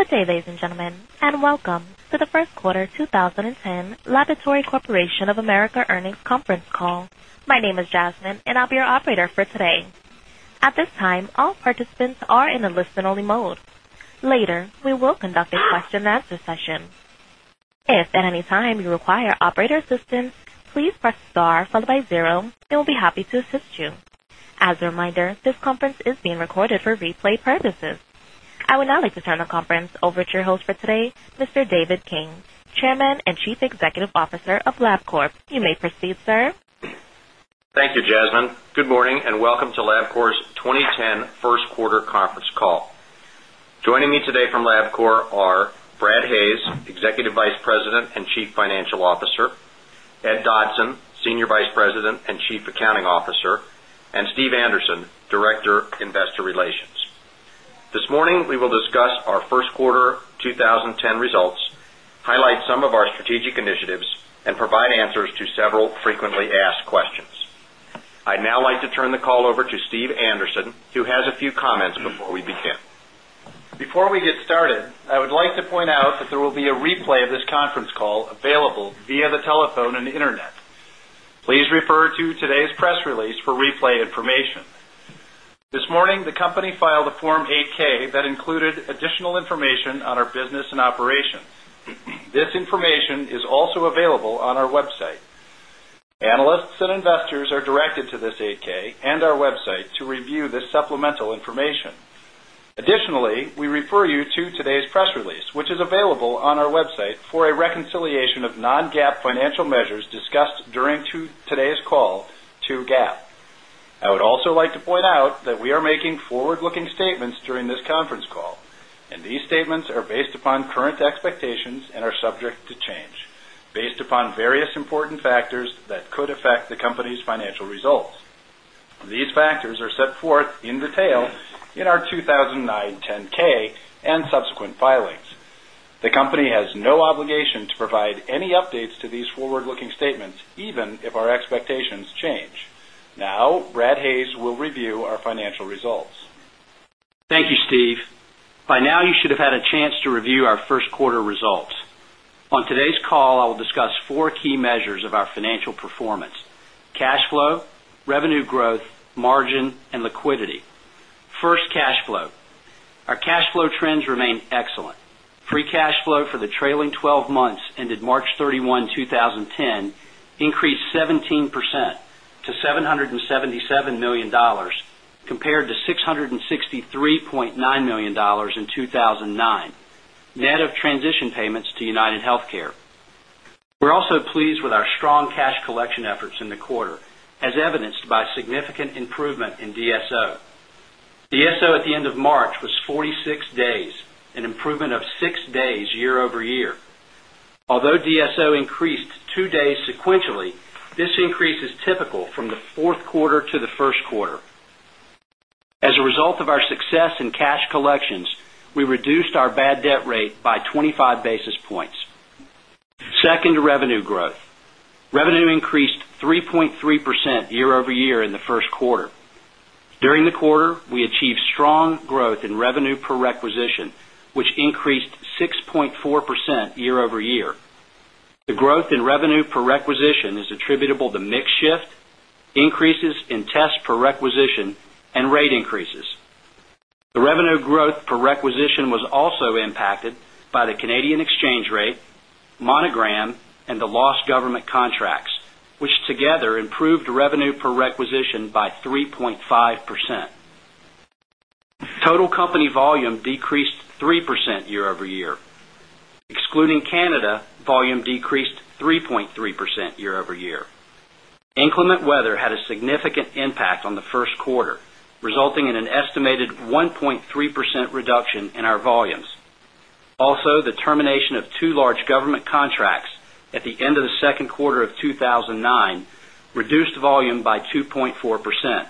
Good day, ladies and gentlemen, and welcome to the First Quarter 2010 Laboratory Corporation of America earnings conference call. My name is Jasmine, and I'll be your operator for today. At this time, all participants are in a listen-only mode. Later, we will conduct a question-and-answer session. If at any time you require operator assistance, please press star followed by zero, and we'll be happy to assist you. As a reminder, this conference is being recorded for replay purposes. I would now like to turn the conference over to your host for today, Mr. David King, Chairman and Chief Executive Officer of. You may proceed, sir. Thank you, Jasmine. Good morning and welcome to 's 2010 First Quarter Conference Call. Joining me today from LabCorp are Brad Hayes, Executive Vice President and Chief Financial Officer, Ed Dodson, Senior Vice President and Chief Accounting Officer, and Steve Anderson, Director, Investor Relations. This morning, we will discuss our First Quarter 2010 results, highlight some of our strategic initiatives, and provide answers to several frequently asked questions. I'd now like to turn the call over to Steve Anderson, who has a few comments before we begin. Before we get started, I would like to point out that there will be a replay of this conference call available via the telephone and the internet. Please refer to today's press release for replay information. This morning, the company filed a Form 8-K that included additional information on our business and operations. This information is also available on our website. Analysts and investors are directed to this 8-K and our website to review this supplemental information. Additionally, we refer you to today's press release, which is available on our website for a reconciliation of non-GAAP financial measures discussed during today's call to GAAP. I would also like to point out that we are making forward-looking statements during this conference call, and these statements are based upon current expectations and are subject to change, based upon various important factors that could affect the company's financial results. These factors are set forth in detail in our 2009 10-K and subsequent filings. The company has no obligation to provide any updates to these forward-looking statements, even if our expectations change. Now, Brad Hayes will review our financial results. Thank you, Steve. By now, you should have had a chance to review our first quarter results. On today's call, I will discuss four key measures of our financial performance: cash flow, revenue growth, margin, and liquidity. First, cash flow. Our cash flow trends remain excellent. Free cash flow for the trailing 12 months ended March 31, 2010, increased 17% to $777 million, compared to $663.9 million in 2009, net of transition payments to UnitedHealthcare. We're also pleased with our strong cash collection efforts in the quarter, as evidenced by significant improvement in DSO. DSO at the end of March was 46 days, an improvement of six days year-over-year. Although DSO increased two days sequentially, this increase is typical from the fourth quarter to the first quarter. As a result of our success in cash collections, we reduced our bad debt rate by 25 basis points. Second, revenue growth. Revenue increased 3.3% year-over-year in the first quarter. During the quarter, we achieved strong growth in revenue per requisition, which increased 6.4% year-over-year. The growth in revenue per requisition is attributable to mix shift, increases in test per requisition, and rate increases. The revenue growth per requisition was also impacted by the Canadian exchange rate, Monogram, and the lost government contracts, which together improved revenue per requisition by 3.5%. Total company volume decreased 3% year-over-year. Excluding Canada, volume decreased 3.3% year-over-year. Inclement weather had a significant impact on the first quarter, resulting in an estimated 1.3% reduction in our volumes. Also, the termination of two large government contracts at the end of the second quarter of 2009 reduced volume by 2.4%.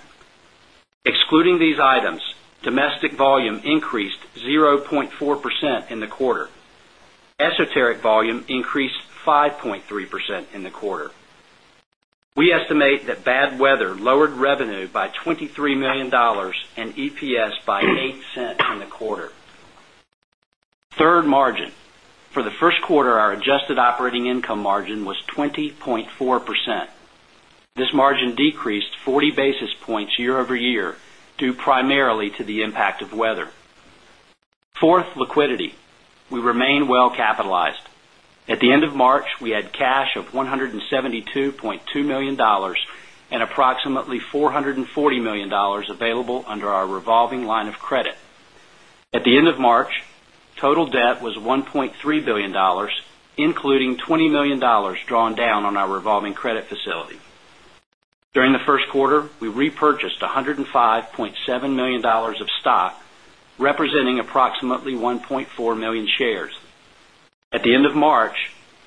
Excluding these items, domestic volume increased 0.4% in the quarter. Esoteric volume increased 5.3% in the quarter. We estimate that bad weather lowered revenue by $23 million and EPS by $0.08 in the quarter. Third, margin. For the first quarter, our adjusted operating income margin was 20.4%. This margin decreased 40 basis points year-over-year due primarily to the impact of weather. Fourth, liquidity. We remain well capitalized. At the end of March, we had cash of $172.2 million and approximately $440 million available under our revolving line of credit. At the end of March, total debt was $1.3 billion, including $20 million drawn down on our revolving credit facility. During the first quarter, we repurchased $105.7 million of stock, representing approximately 1.4 million shares. At the end of March,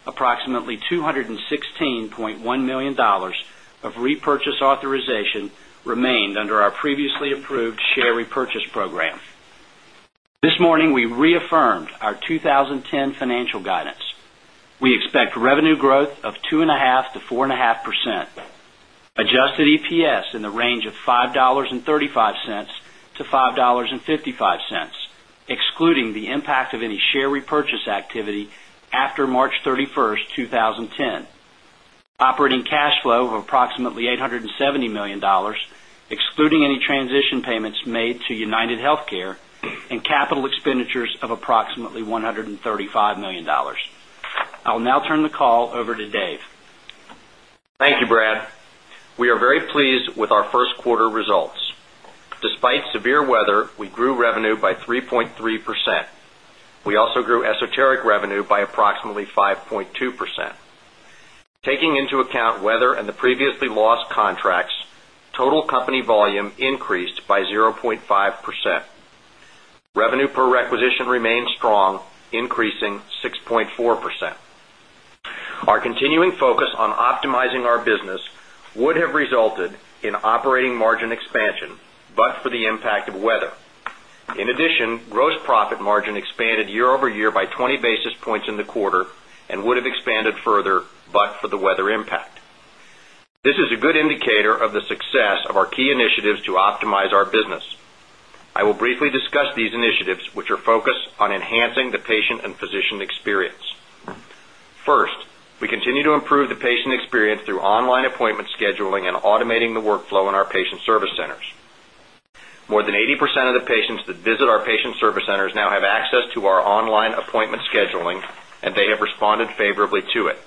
approximately $216.1 million of repurchase authorization remained under our previously approved share repurchase program. This morning, we reaffirmed our 2010 financial guidance. We expect revenue growth of 2.5-4.5%, adjusted EPS in the range of $5.35-$5.55, excluding the impact of any share repurchase activity after March 31, 2010, operating cash flow of approximately $870 million, excluding any transition payments made to UnitedHealthcare, and capital expenditures of approximately $135 million. I'll now turn the call over to Dave. Thank you, Brad. We are very pleased with our first quarter results. Despite severe weather, we grew revenue by 3.3%. We also grew esoteric revenue by approximately 5.2%. Taking into account weather and the previously lost contracts, total company volume increased by 0.5%. Revenue per requisition remained strong, increasing 6.4%. Our continuing focus on optimizing our business would have resulted in operating margin expansion, but for the impact of weather. In addition, gross profit margin expanded year-over-year by 20 basis points in the quarter and would have expanded further, but for the weather impact. This is a good indicator of the success of our key initiatives to optimize our business. I will briefly discuss these initiatives, which are focused on enhancing the patient and physician experience. First, we continue to improve the patient experience through online appointment scheduling and automating the workflow in our patient service centers. More than 80% of the patients that visit our patient service centers now have access to our online appointment scheduling, and they have responded favorably to it.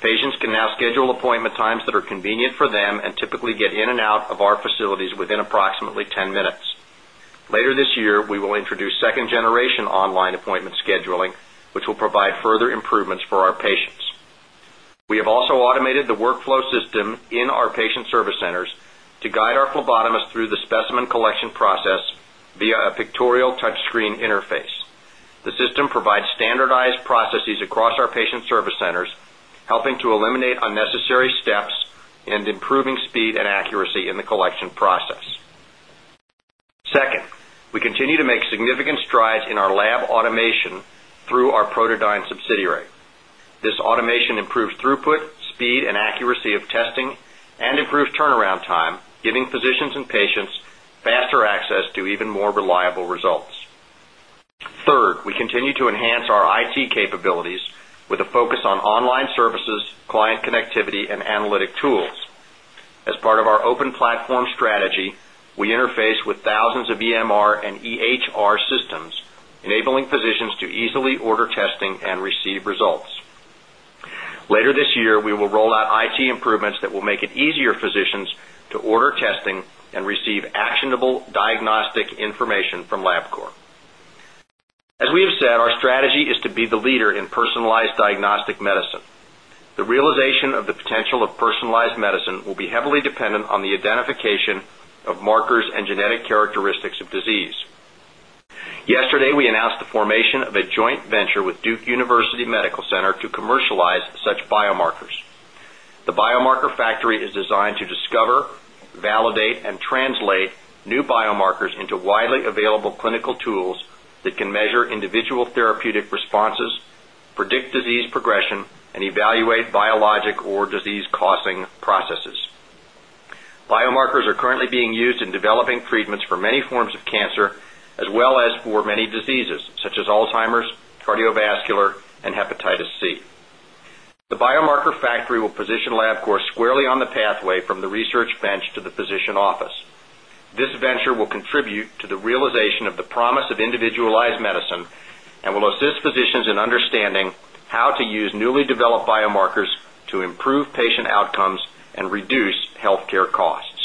Patients can now schedule appointment times that are convenient for them and typically get in and out of our facilities within approximately 10 minutes. Later this year, we will introduce second-generation online appointment scheduling, which will provide further improvements for our patients. We have also automated the workflow system in our patient service centers to guide our phlebotomists through the specimen collection process via a pictorial touchscreen interface. The system provides standardized processes across our patient service centers, helping to eliminate unnecessary steps and improving speed and accuracy in the collection process. Second, we continue to make significant strides in our lab automation through our Protodyne subsidiary. This automation improves throughput, speed, and accuracy of testing, and improves turnaround time, giving physicians and patients faster access to even more reliable results. Third, we continue to enhance our IT capabilities with a focus on online services, client connectivity, and analytic tools. As part of our open platform strategy, we interface with thousands of EMR and EHR systems, enabling physicians to easily order testing and receive results. Later this year, we will roll out IT improvements that will make it easier for physicians to order testing and receive actionable diagnostic information from LabCorp. As we have said, our strategy is to be the leader in personalized diagnostic medicine. The realization of the potential of personalized medicine will be heavily dependent on the identification of markers and genetic characteristics of disease. Yesterday, we announced the formation of a joint venture with Duke University Medical Center to commercialize such biomarkers. The Biomarker Factory is designed to discover, validate, and translate new biomarkers into widely available clinical tools that can measure individual therapeutic responses, predict disease progression, and evaluate biologic or disease-causing processes. Biomarkers are currently being used in developing treatments for many forms of cancer, as well as for many diseases such as Alzheimer's, cardiovascular, and hepatitis C. The Biomarker Factory will position LabCorp squarely on the pathway from the research bench to the physician office. This venture will contribute to the realization of the promise of individualized medicine and will assist physicians in understanding how to use newly developed biomarkers to improve patient outcomes and reduce healthcare costs.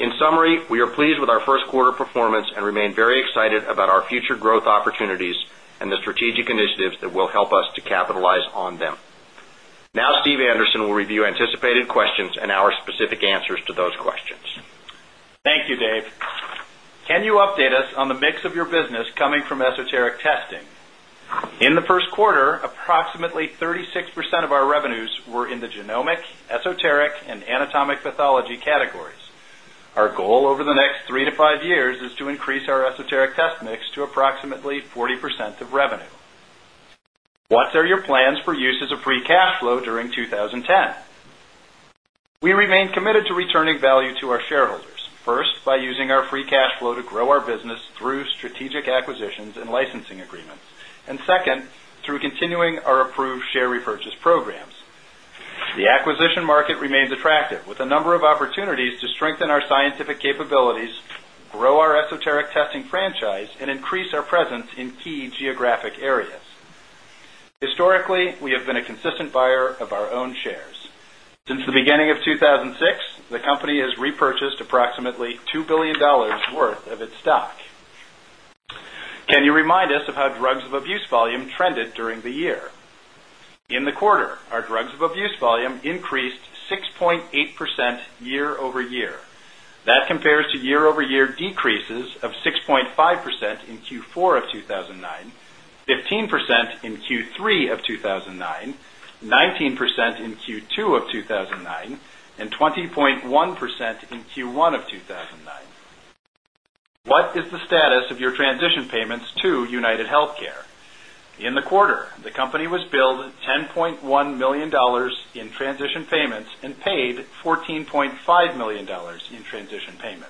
In summary, we are pleased with our first quarter performance and remain very excited about our future growth opportunities and the strategic initiatives that will help us to capitalize on them. Now, Steve Anderson will review anticipated questions and our specific answers to those questions. Thank you, Dave. Can you update us on the mix of your business coming from esoteric testing? In the first quarter, approximately 36% of our revenues were in the genomic, esoteric, and anatomic pathology categories. Our goal over the next three to five years is to increase our esoteric test mix to approximately 40% of revenue. What are your plans for uses of free cash flow during 2010? We remain committed to returning value to our shareholders, first by using our free cash flow to grow our business through strategic acquisitions and licensing agreements, and second, through continuing our approved share repurchase programs. The acquisition market remains attractive, with a number of opportunities to strengthen our scientific capabilities, grow our esoteric testing franchise, and increase our presence in key geographic areas. Historically, we have been a consistent buyer of our own shares. Since the beginning of 2006, the company has repurchased approximately $2 billion worth of its stock. Can you remind us of how drugs of abuse volume trended during the year? In the quarter, our drugs of abuse volume increased 6.8% year-ove- year. That compares to year-over-year decreases of 6.5% in Q4 of 2009, 15% in Q3 of 2009, 19% in Q2 of 2009, and 20.1% in Q1 of 2009. What is the status of your transition payments to UnitedHealthcare? In the quarter, the company was billed $10.1 million in transition payments and paid $14.5 million in transition payments.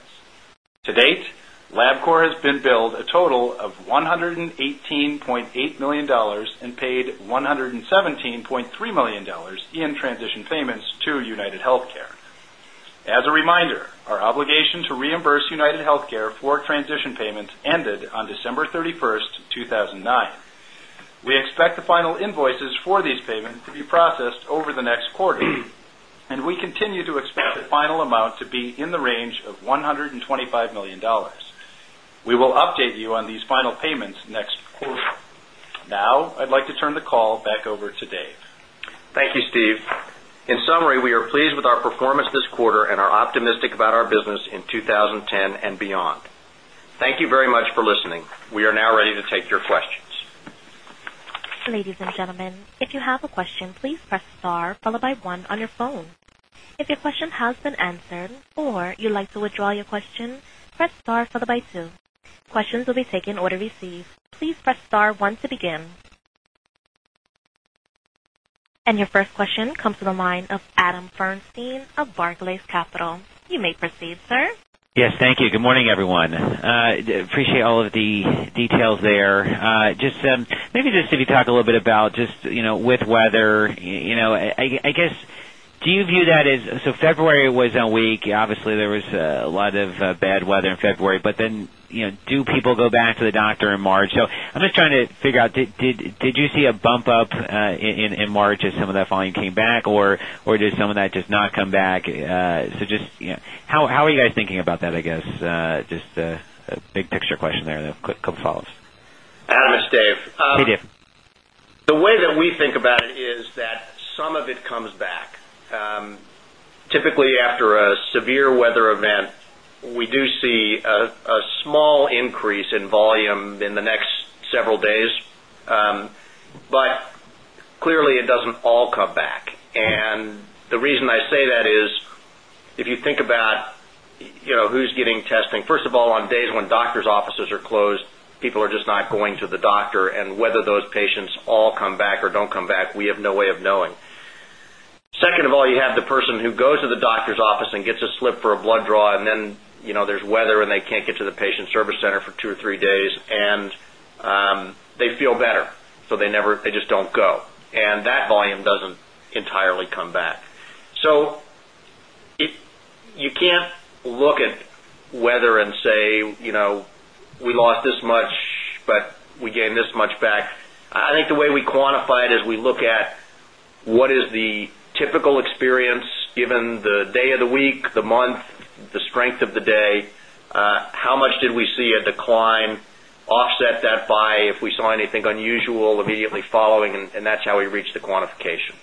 To date, LabCorp has been billed a total of $118.8 million and paid $117.3 million in transition payments to UnitedHealthcare. As a reminder, our obligation to reimburse UnitedHealthcare for transition payments ended on December 31, 2009. We expect the final invoices for these payments to be processed over the next quarter, and we continue to expect the final amount to be in the range of $125 million. We will update you on these final payments next quarter. Now, I'd like to turn the call back over to Dave. Thank you, Steve. In summary, we are pleased with our performance this quarter and are optimistic about our business in 2010 and beyond. Thank you very much for listening. We are now ready to take your questions. Ladies and gentlemen, if you have a question, please press star followed by one on your phone. If your question has been answered or you'd like to withdraw your question, press star followed by two. Questions will be taken or received. Please press star one to begin. Your first question comes from the line of Adam Feinstein of Barclays Capital. You may proceed, sir. Yes, thank you. Good morning, everyone. Appreciate all of the details there. Maybe just if you talk a little bit about just with weather, I guess, do you view that as, so February was a week. Obviously, there was a lot of bad weather in February, but then do people go back to the doctor in March? I am just trying to figure out, did you see a bump up in March as some of that volume came back, or did some of that just not come back? Just how are you guys thinking about that, I guess? Just a big picture question there, a couple of follow-ups. Adam, its Dave. The way that we think about it is that some of it comes back. Typically, after a severe weather event, we do see a small increase in volume in the next several days, but clearly, it does not all come back. The reason I say that is if you think about who is getting testing, first of all, on days when doctor's offices are closed, people are just not going to the doctor, and whether those patients all come back or do not come back, we have no way of knowing. Second of all, you have the person who goes to the doctor's office and gets a slip for a blood draw, and then there is weather, and they cannot get to the patient service center for two or three days, and they feel better, so they just do not go. That volume does not entirely come back. You can't look at weather and say, "We lost this much, but we gained this much back." I think the way we quantify it is we look at what is the typical experience given the day of the week, the month, the strength of the day, how much did we see a decline, offset that by if we saw anything unusual immediately following, and that's how we reach the quantification.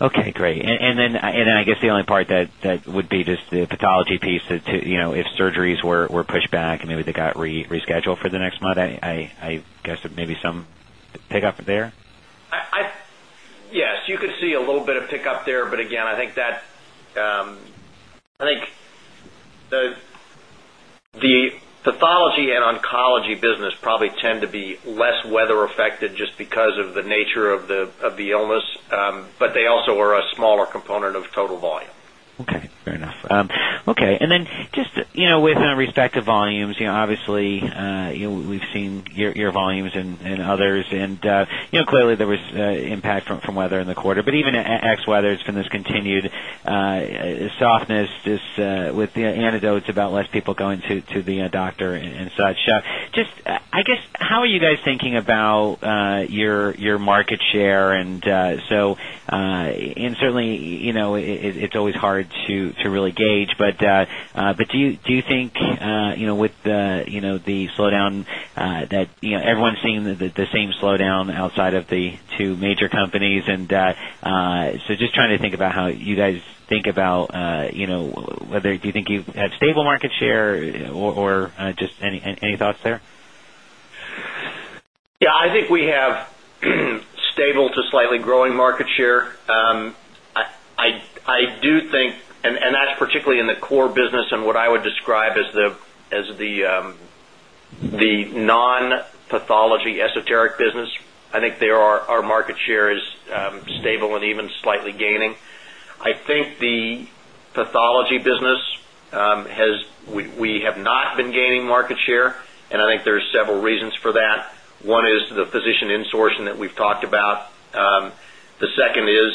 Okay, great. I guess the only part that would be just the pathology piece, if surgeries were pushed back and maybe they got rescheduled for the next month, I guess maybe some pickup there? Yes, you could see a little bit of pickup there, but again, I think the pathology and oncology business probably tend to be less weather-affected just because of the nature of the illness, but they also are a smaller component of total volume. Okay, fair enough. Okay, and then just with respect to volumes, obviously, we've seen your volumes and others, and clearly, there was impact from weather in the quarter, but even at ex-weather, it's been this continued softness with the antidotes about less people going to the doctor and such. Just, I guess, how are you guys thinking about your market share? Certainly, it's always hard to really gauge, but do you think with the slowdown that everyone's seeing the same slowdown outside of the two major companies? Just trying to think about how you guys think about whether do you think you have stable market share or just any thoughts there? Yeah, I think we have stable to slightly growing market share. I do think, and that's particularly in the core business and what I would describe as the non-pathology esoteric business, I think our market share is stable and even slightly gaining. I think the pathology business, we have not been gaining market share, and I think there are several reasons for that. One is the physician insourcing that we've talked about. The second is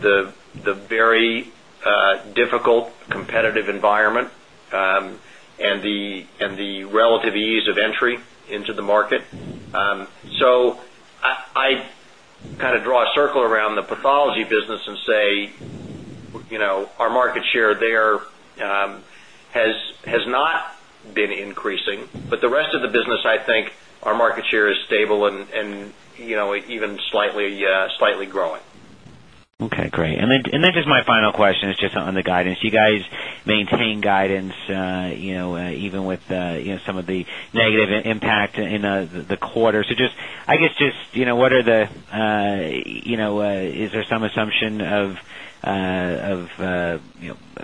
the very difficult competitive environment and the relative ease of entry into the market. I kind of draw a circle around the pathology business and say our market share there has not been increasing, but the rest of the business, I think our market share is stable and even slightly growing. Okay, great. And then just my final question is just on the guidance. Do you guys maintain guidance even with some of the negative impact in the quarter? I guess just what are the is there some assumption of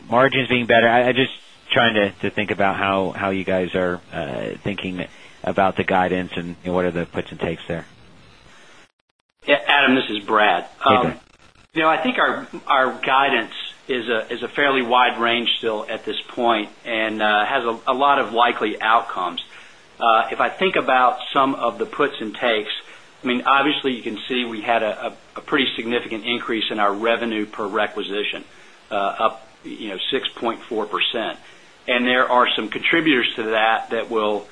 margins being better? I'm just trying to think about how you guys are thinking about the guidance and what are the puts and takes there. Yeah, Adam, this is Brad. Hey, Brad. I think our guidance is a fairly wide range still at this point and has a lot of likely outcomes. If I think about some of the puts and takes, I mean, obviously, you can see we had a pretty significant increase in our revenue per requisition, up 6.4%. And there are some contributors to that that will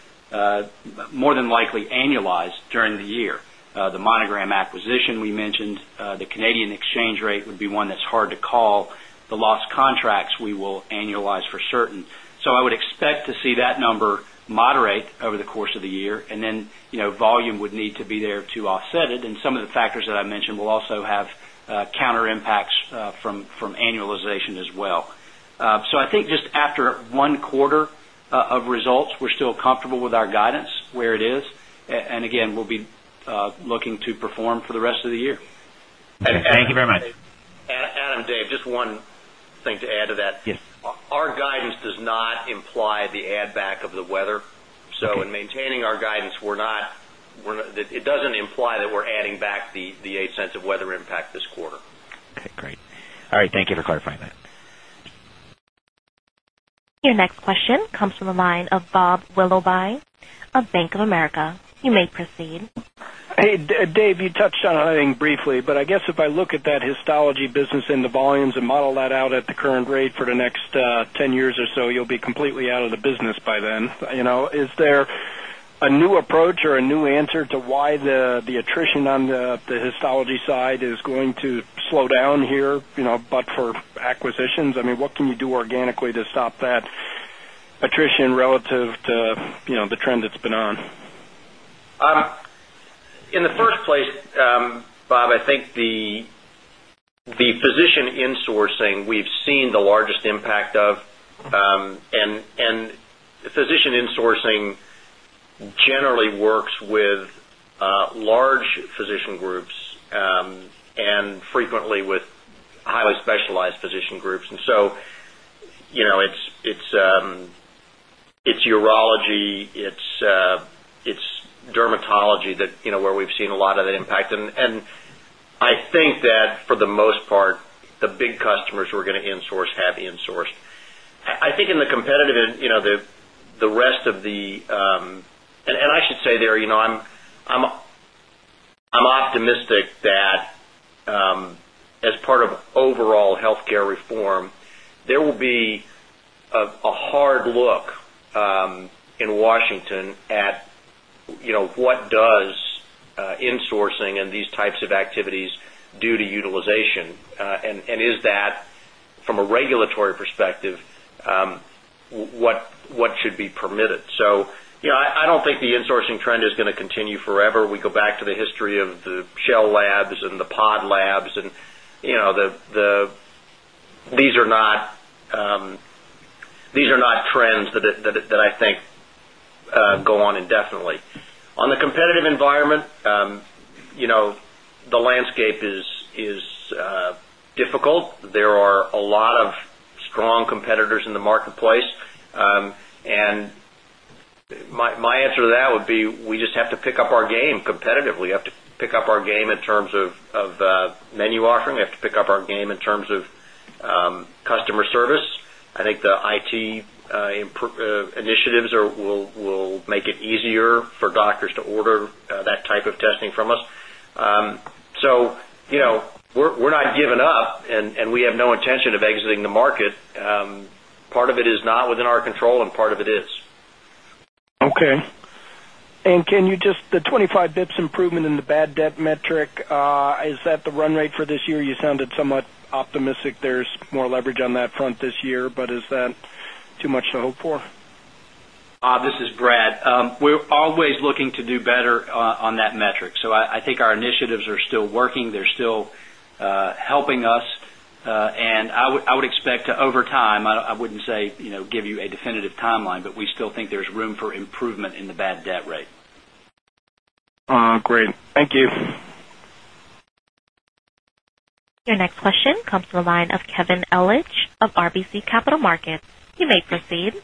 more than likely annualize during the year. The Monogram acquisition we mentioned, the Canadian exchange rate would be one that's hard to call. The lost contracts we will annualize for certain. I would expect to see that number moderate over the course of the year, and then volume would need to be there to offset it. Some of the factors that I mentioned will also have counter impacts from annualization as well. I think just after one quarter of results, we're still comfortable with our guidance where it is. We'll be looking to perform for the rest of the year. Thank you very much. Adam, Dave, just one thing to add to that. Our guidance does not imply the add-back of the weather. In maintaining our guidance, it does not imply that we are adding back the $0.08 of weather impact this quarter. Okay, great. All right, thank you for clarifying that. Your next question comes from the line of Bob Willoughby of Bank of America. You may proceed. Hey, Dave, you touched on it briefly, but I guess if I look at that histology business and the volumes and model that out at the current rate for the next 10 years or so, you'll be completely out of the business by then. Is there a new approach or a new answer to why the attrition on the histology side is going to slow down here but for acquisitions? I mean, what can you do organically to stop that attrition relative to the trend that's been on? In the first place, Bob, I think the physician insourcing we've seen the largest impact of. Physician insourcing generally works with large physician groups and frequently with highly specialized physician groups. It is urology, it is dermatology where we've seen a lot of that impact. I think that for the most part, the big customers who were going to insource have insourced. I think in the competitive, the rest of the—and I should say there, I'm optimistic that as part of overall healthcare reform, there will be a hard look in Washington at what does insourcing and these types of activities do to utilization. Is that, from a regulatory perspective, what should be permitted? I do not think the insourcing trend is going to continue forever. We go back to the history of the Shell labs and the Pod labs, and these are not trends that I think go on indefinitely. On the competitive environment, the landscape is difficult. There are a lot of strong competitors in the marketplace. My answer to that would be we just have to pick up our game competitively. We have to pick up our game in terms of menu offering. We have to pick up our game in terms of customer service. I think the IT initiatives will make it easier for doctors to order that type of testing from us. We are not giving up, and we have no intention of exiting the market. Part of it is not within our control, and part of it is. Okay. Can you just—the 25 basis points improvement in the bad debt metric, is that the run rate for this year? You sounded somewhat optimistic there is more leverage on that front this year, but is that too much to hope for? This is Brad. We're always looking to do better on that metric. I think our initiatives are still working. They're still helping us. I would expect to, over time—I wouldn't say give you a definitive timeline—but we still think there's room for improvement in the bad debt rate. Great. Thank you. Your next question comes from the line of Kevin Ellich of RBC Capital Markets. You may proceed.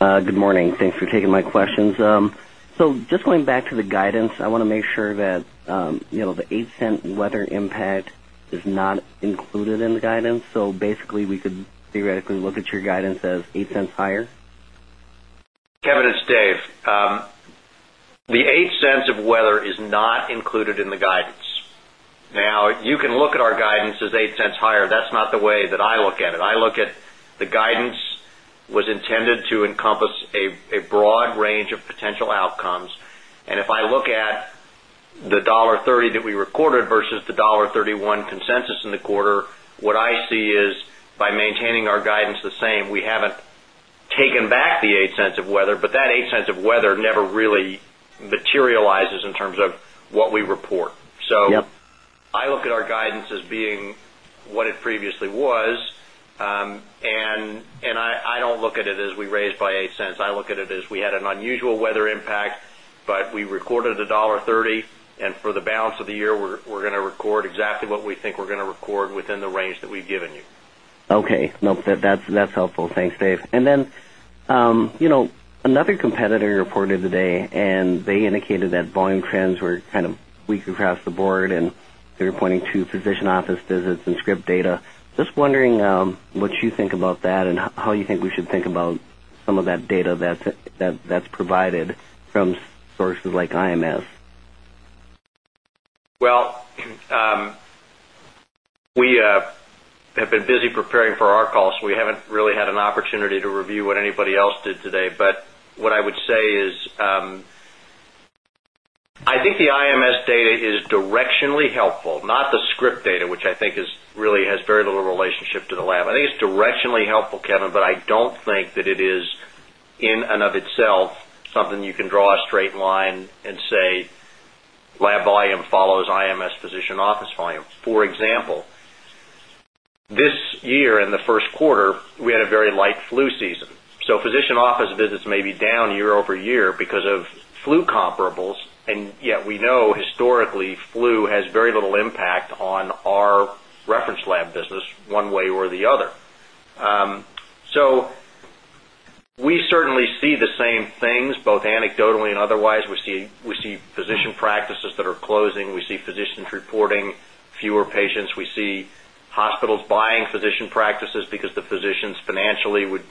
Good morning. Thanks for taking my questions. Just going back to the guidance, I want to make sure that the $0.08 weather impact is not included in the guidance. Basically, we could theoretically look at your guidance as $0.08 higher? Kevin, it's Dave. The $0.08 of weather is not included in the guidance. Now, you can look at our guidance as $0.08 higher. That's not the way that I look at it. I look at the guidance was intended to encompass a broad range of potential outcomes. If I look at the $1.30 that we recorded versus the $1.31 consensus in the quarter, what I see is by maintaining our guidance the same, we haven't taken back the $0.08 of weather, but that $0.08 of weather never really materializes in terms of what we report. I look at our guidance as being what it previously was. I don't look at it as we raised by $0.08. I look at it as we had an unusual weather impact, but we recorded the $1.30. For the balance of the year, we're going to record exactly what we think we're going to record within the range that we've given you. Okay. No, that's helpful. Thanks, Dave. Then another competitor reported today, and they indicated that volume trends were kind of weak across the board, and they were pointing to physician office visits and Script data. Just wondering what you think about that and how you think we should think about some of that data that's provided from sources like IMS? We have been busy preparing for our call, so we haven't really had an opportunity to review what anybody else did today. What I would say is I think the IMS data is directionally helpful, not the Script data, which I think really has very little relationship to the lab. I think it's directionally helpful, Kevin, but I don't think that it is in and of itself something you can draw a straight line and say lab volume follows IMS physician office volume. For example, this year in the first quarter, we had a very light flu season. Physician office visits may be down year-over-year because of flu comparables. Yet we know historically flu has very little impact on our reference lab business one way or the other. We certainly see the same things, both anecdotally and otherwise. We see physician practices that are closing. We see physicians reporting fewer patients. We see hospitals buying physician practices because the physicians financially would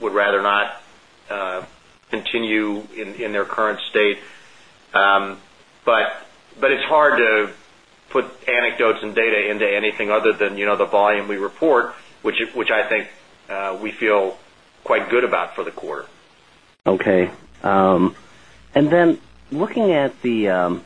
rather not continue in their current state. It is hard to put anecdotes and data into anything other than the volume we report, which I think we feel quite good about for the quarter. Okay. And then looking at the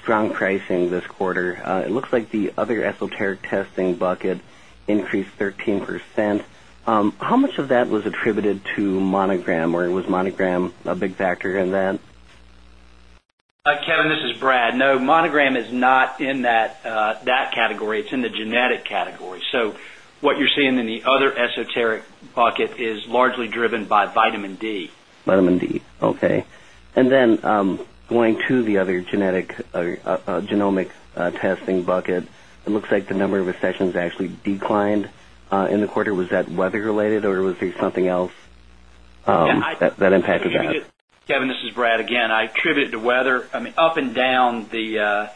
strong pricing this quarter, it looks like the other esoteric testing bucket increased 13%. How much of that was attributed to Monogram, or was Monogram a big factor in that? Kevin, this is Brad. No, Monogram is not in that category. It's in the genetic category. So what you're seeing in the other esoteric bucket is largely driven by vitamin D. Vitamin D. Okay. And then going to the other genetic genomic testing bucket, it looks like the number of requisitions actually declined in the quarter. Was that weather-related, or was there something else that impacted that? Kevin, this is Brad again. I attribute it to weather. I mean, up and down the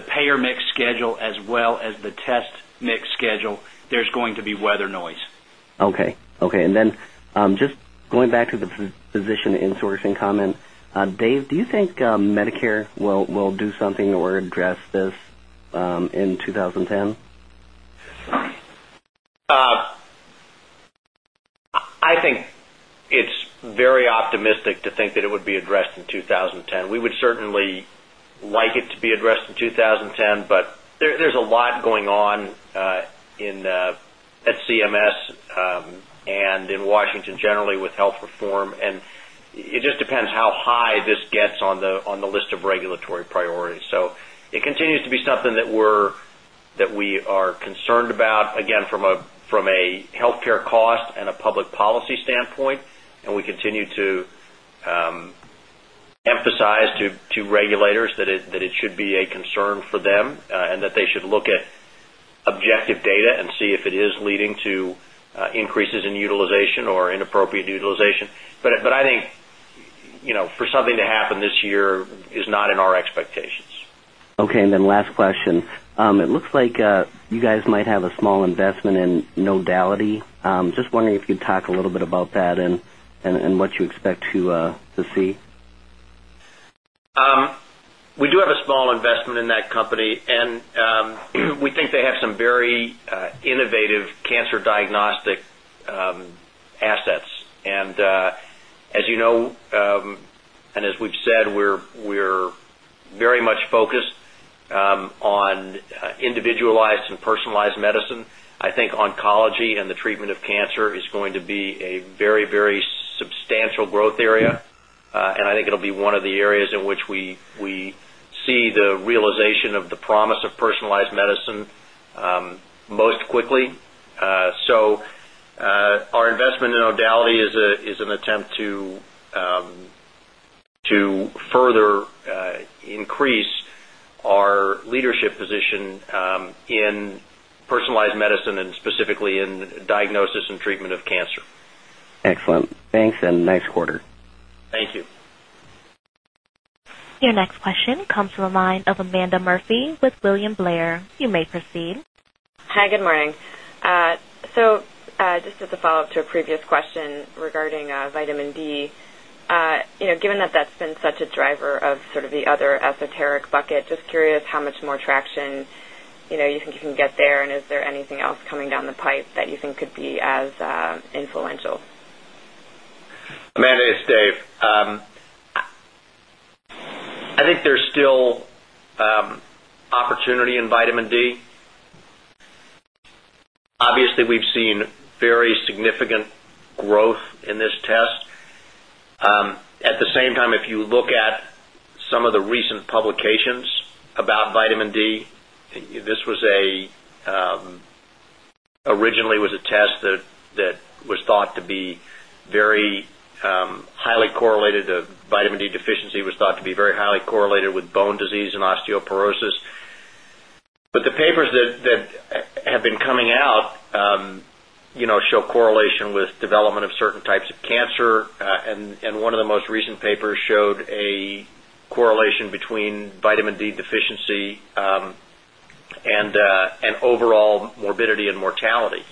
payer mix schedule as well as the test mix schedule, there's going to be weather noise. Okay. Okay. And then just going back to the physician insourcing comment, Dave, do you think Medicare will do something or address this in 2010? I think it's very optimistic to think that it would be addressed in 2010. We would certainly like it to be addressed in 2010, but there's a lot going on at CMS and in Washington generally with health reform. It just depends how high this gets on the list of regulatory priorities. It continues to be something that we are concerned about, again, from a healthcare cost and a public policy standpoint. We continue to emphasize to regulators that it should be a concern for them and that they should look at objective data and see if it is leading to increases in utilization or inappropriate utilization. I think for something to happen this year is not in our expectations. Okay. And then last question. It looks like you guys might have a small investment in Nodality. Just wondering if you'd talk a little bit about that and what you expect to see. We do have a small investment in that company, and we think they have some very innovative cancer diagnostic assets. As you know, and as we've said, we're very much focused on individualized and personalized medicine. I think oncology and the treatment of cancer is going to be a very, very substantial growth area. I think it'll be one of the areas in which we see the realization of the promise of personalized medicine most quickly. Our investment in Nodality is an attempt to further increase our leadership position in personalized medicine and specifically in diagnosis and treatment of cancer. Excellent. Thanks. Nice quarter. Thank you. Your next question comes from the line of Amanda Murphy with William Blair. You may proceed. Hi, good morning. Just as a follow-up to a previous question regarding vitamin D, given that that's been such a driver of sort of the other esoteric bucket, just curious how much more traction you think you can get there, and is there anything else coming down the pipe that you think could be as influential? Amanda, it's Dave. I think there's still opportunity in vitamin D. Obviously, we've seen very significant growth in this test. At the same time, if you look at some of the recent publications about vitamin D, this was originally a test that was thought to be very highly correlated to vitamin D deficiency, was thought to be very highly correlated with bone disease and osteoporosis. The papers that have been coming out show correlation with development of certain types of cancer. One of the most recent papers showed a correlation between vitamin D deficiency and overall morbidity and mortality.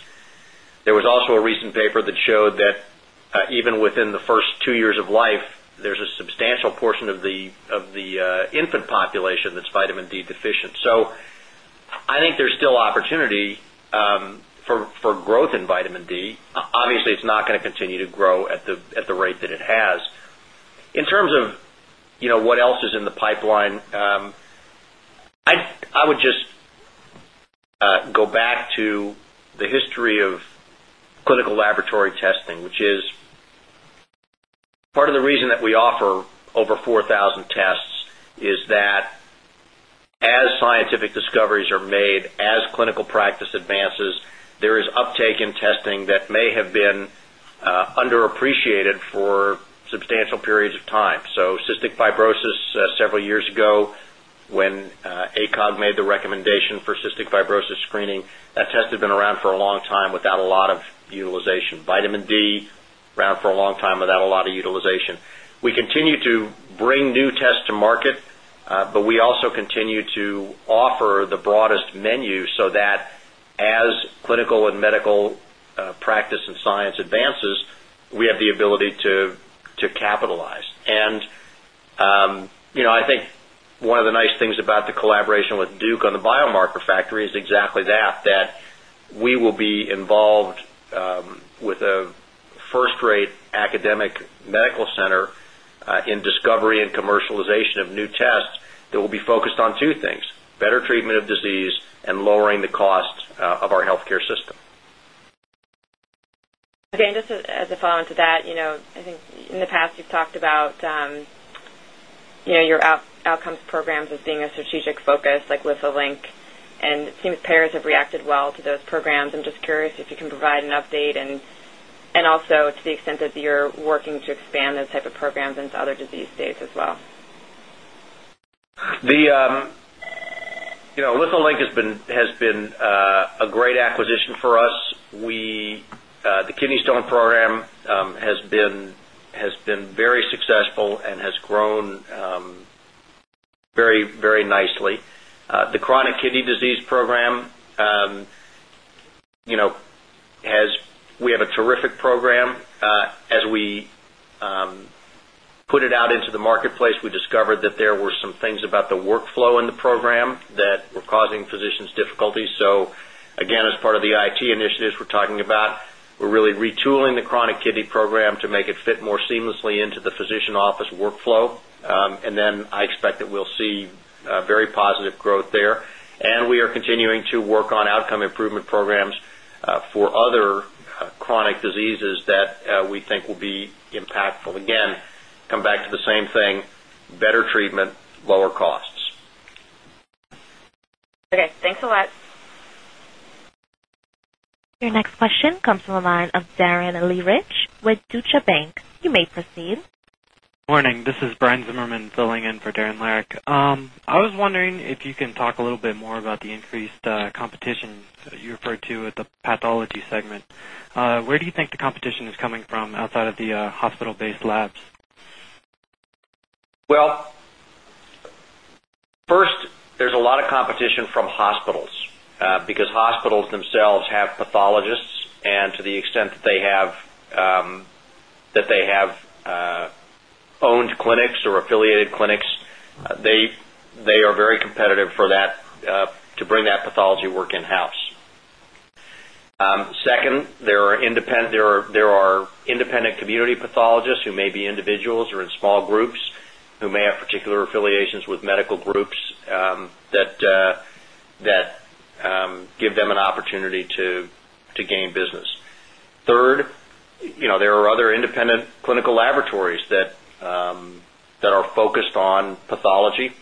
There was also a recent paper that showed that even within the first two years of life, there's a substantial portion of the infant population that's vitamin D deficient. I think there's still opportunity for growth in vitamin D. Obviously, it's not going to continue to grow at the rate that it has. In terms of what else is in the pipeline, I would just go back to the history of clinical laboratory testing, which is part of the reason that we offer over 4,000 tests is that as scientific discoveries are made, as clinical practice advances, there is uptake in testing that may have been underappreciated for substantial periods of time. Cystic fibrosis several years ago when ACOG made the recommendation for cystic fibrosis screening, that test had been around for a long time without a lot of utilization. Vitamin D, around for a long time without a lot of utilization. We continue to bring new tests to market, but we also continue to offer the broadest menu so that as clinical and medical practice and science advances, we have the ability to capitalize. I think one of the nice things about the collaboration with Duke on the Biomarker Factory is exactly that, that we will be involved with a first-rate academic medical center in discovery and commercialization of new tests that will be focused on two things: better treatment of disease and lowering the cost of our healthcare system. Okay. Just as a follow-up to that, I think in the past you've talked about your outcomes programs as being a strategic focus like With a Link. It seems payers have reacted well to those programs. I'm just curious if you can provide an update and also to the extent that you're working to expand those types of programs into other disease states as well. With a Link has been a great acquisition for us. The Kidney Stone Program has been very successful and has grown very, very nicely. The Chronic Kidney Disease Program, we have a terrific program. As we put it out into the marketplace, we discovered that there were some things about the workflow in the program that were causing physicians difficulties. Again, as part of the IT initiatives we are talking about, we are really retooling the chronic kidney program to make it fit more seamlessly into the physician office workflow. I expect that we will see very positive growth there. We are continuing to work on outcome improvement programs for other chronic diseases that we think will be impactful. Again, come back to the same thing: better treatment, lower costs. Okay. Thanks a lot. Your next question comes from the line of Darren Learich with Deutsche Bank. You may proceed. Good morning. This is Brian Zimmerman filling in for Darren Lehrich. I was wondering if you can talk a little bit more about the increased competition that you referred to with the pathology segment. Where do you think the competition is coming from outside of the hospital-based labs? First, there's a lot of competition from hospitals because hospitals themselves have pathologists. To the extent that they have owned clinics or affiliated clinics, they are very competitive for that to bring that pathology work in-house. Second, there are independent community pathologists who may be individuals or in small groups who may have particular affiliations with medical groups that give them an opportunity to gain business. Third, there are other independent clinical laboratories that are focused on pathology.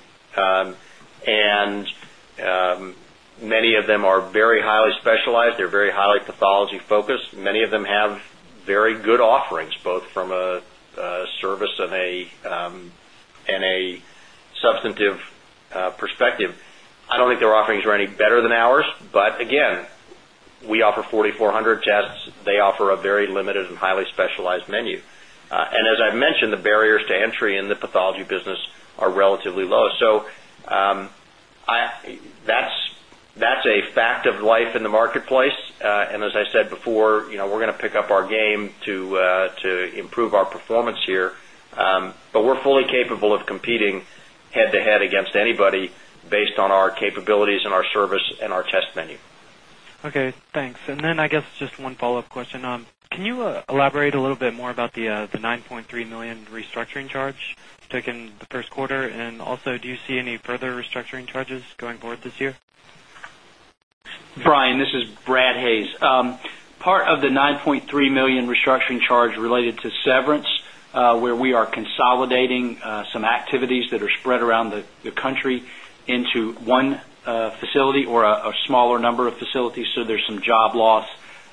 Many of them are very highly specialized. They're very highly pathology-focused. Many of them have very good offerings both from a service and a substantive perspective. I don't think their offerings are any better than ours. Again, we offer 4,400 tests. They offer a very limited and highly specialized menu. As I've mentioned, the barriers to entry in the pathology business are relatively low. That's a fact of life in the marketplace. As I said before, we're going to pick up our game to improve our performance here. We're fully capable of competing head-to-head against anybody based on our capabilities and our service and our test menu. Okay. Thanks. I guess just one follow-up question. Can you elaborate a little bit more about the $9.3 million restructuring charge taken the first quarter? Also, do you see any further restructuring charges going forward this year? Brian, this is Brad Hayes. Part of the $9.3 million restructuring charge related to severance, where we are consolidating some activities that are spread around the country into one facility or a smaller number of facilities, so there is some job loss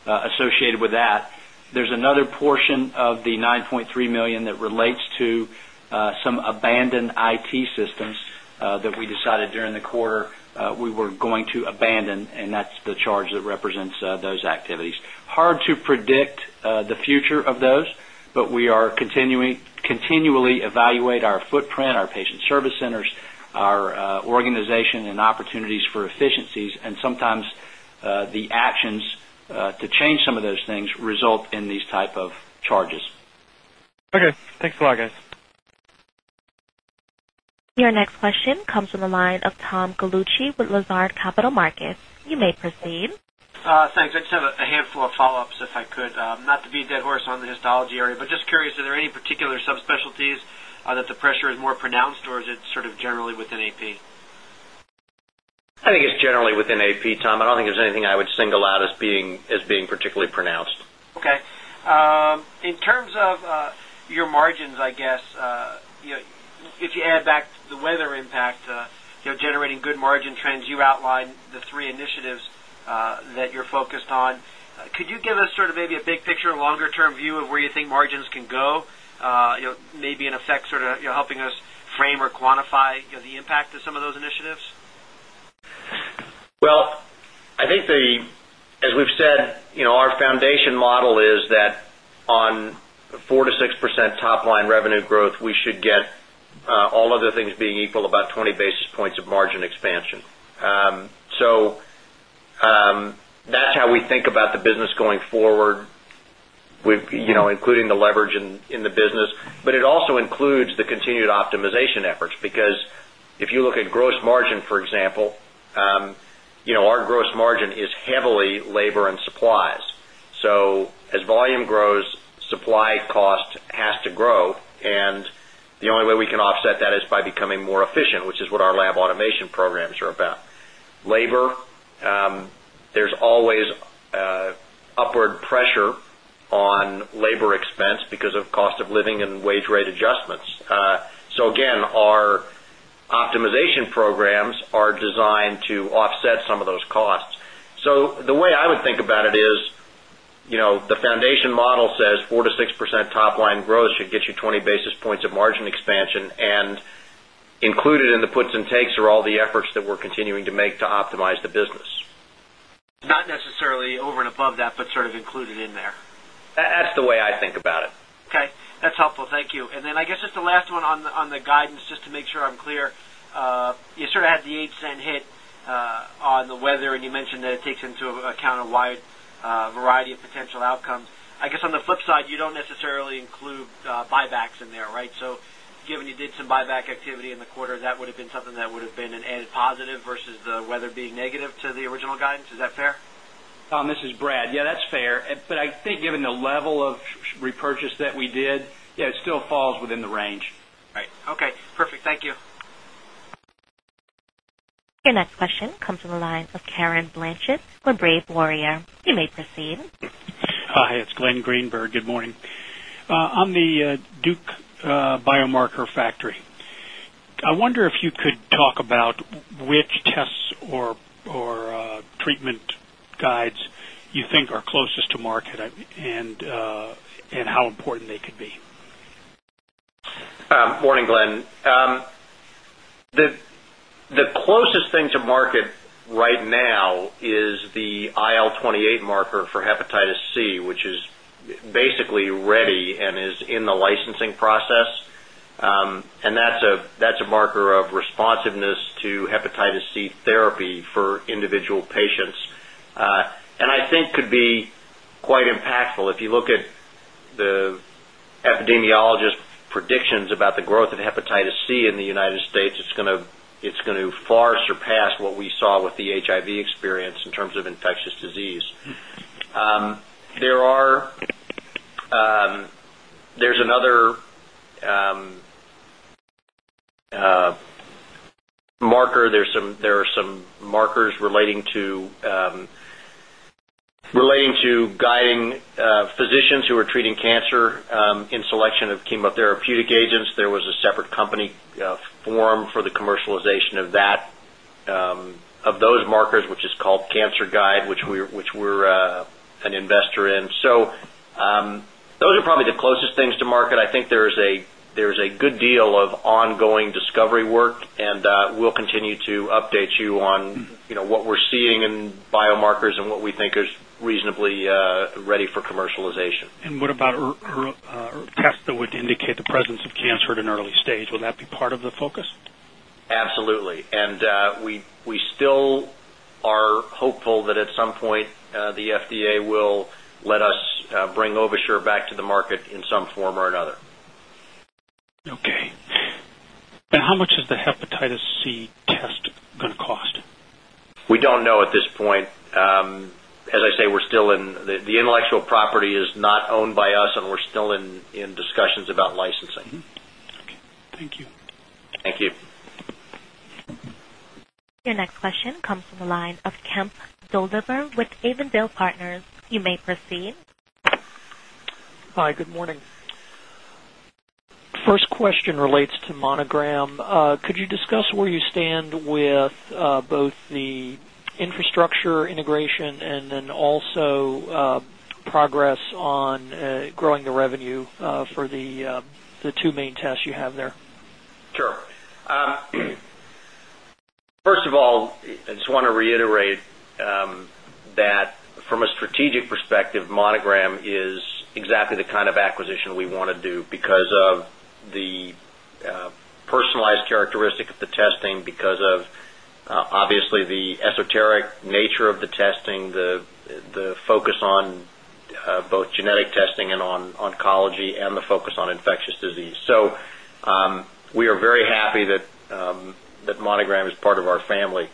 associated with that. There is another portion of the $9.3 million that relates to some abandoned IT systems that we decided during the quarter we were going to abandon. That is the charge that represents those activities. Hard to predict the future of those, but we are continually evaluating our footprint, our patient service centers, our organization, and opportunities for efficiencies. Sometimes the actions to change some of those things result in these types of charges. Okay. Thanks a lot, guys. Your next question comes from the line of Tom Gallucci with Lazard Capital Markets. You may proceed. Thanks. I just have a handful of follow-ups if I could. Not to be a dead horse on the histology area, but just curious, are there any particular subspecialties that the pressure is more pronounced, or is it sort of generally within AP? I think it's generally within AP, Tom. I don't think there's anything I would single out as being particularly pronounced. Okay. In terms of your margins, I guess, if you add back the weather impact, generating good margin trends, you outlined the three initiatives that you're focused on. Could you give us sort of maybe a big picture, a longer-term view of where you think margins can go, maybe in effect sort of helping us frame or quantify the impact of some of those initiatives? I think, as we've said, our foundation model is that on 4-6% top-line revenue growth, we should get all other things being equal about 20 basis points of margin expansion. That is how we think about the business going forward, including the leverage in the business. It also includes the continued optimization efforts because if you look at gross margin, for example, our gross margin is heavily labor and supplies. As volume grows, supply cost has to grow. The only way we can offset that is by becoming more efficient, which is what our lab automation programs are about. Labor, there is always upward pressure on labor expense because of cost of living and wage rate adjustments. Again, our optimization programs are designed to offset some of those costs. The way I would think about it is the foundation model says 4-6% top-line growth should get you 20 basis points of margin expansion. Included in the puts and takes are all the efforts that we're continuing to make to optimize the business. Not necessarily over and above that, but sort of included in there. That's the way I think about it. Okay. That's helpful. Thank you. I guess just the last one on the guidance, just to make sure I'm clear. You sort of had the 8-cent hit on the weather, and you mentioned that it takes into account a wide variety of potential outcomes. I guess on the flip side, you do not necessarily include buybacks in there, right? Given you did some buyback activity in the quarter, that would have been something that would have been an added positive versus the weather being negative to the original guidance. Is that fair? This is Brad. Yeah, that's fair. I think given the level of repurchase that we did, yeah, it still falls within the range. Right. Okay. Perfect. Thank you. Your next question comes from the line of Glenn Greenberg with Brave Warrior. You may proceed. Hi. It's Glenn Greenberg. Good morning. On the Duke Biomarker Factory, I wonder if you could talk about which tests or treatment guides you think are closest to market and how important they could be. Morning, Glenn. The closest thing to market right now is the IL-28 marker for hepatitis C, which is basically ready and is in the licensing process. That's a marker of responsiveness to hepatitis C therapy for individual patients. I think could be quite impactful. If you look at the epidemiologist predictions about the growth of hepatitis C in the United States, it's going to far surpass what we saw with the HIV experience in terms of infectious disease. There's another marker. There are some markers relating to guiding physicians who are treating cancer in selection of chemotherapeutic agents. There was a separate company formed for the commercialization of those markers, which is called CancerGuide, which we're an investor in. Those are probably the closest things to market. I think there's a good deal of ongoing discovery work. We'll continue to update you on what we're seeing in biomarkers and what we think is reasonably ready for commercialization. What about tests that would indicate the presence of cancer at an early stage? Will that be part of the focus? Absolutely. We still are hopeful that at some point the FDA will let us bring Ovisher back to the market in some form or another. Okay. How much is the hepatitis C test going to cost? We don't know at this point. As I say, we're still in, the intellectual property is not owned by us, and we're still in discussions about licensing. Okay. Thank you. Thank you. Your next question comes from the line of Kemp Dolliver with Avondale Partners. You may proceed. Hi. Good morning. First question relates to Monogram. Could you discuss where you stand with both the infrastructure integration and then also progress on growing the revenue for the two main tests you have there? Sure. First of all, I just want to reiterate that from a strategic perspective, Monogram is exactly the kind of acquisition we want to do because of the personalized characteristic of the testing, because of obviously the esoteric nature of the testing, the focus on both genetic testing and oncology, and the focus on infectious disease. We are very happy that Monogram is part of our family.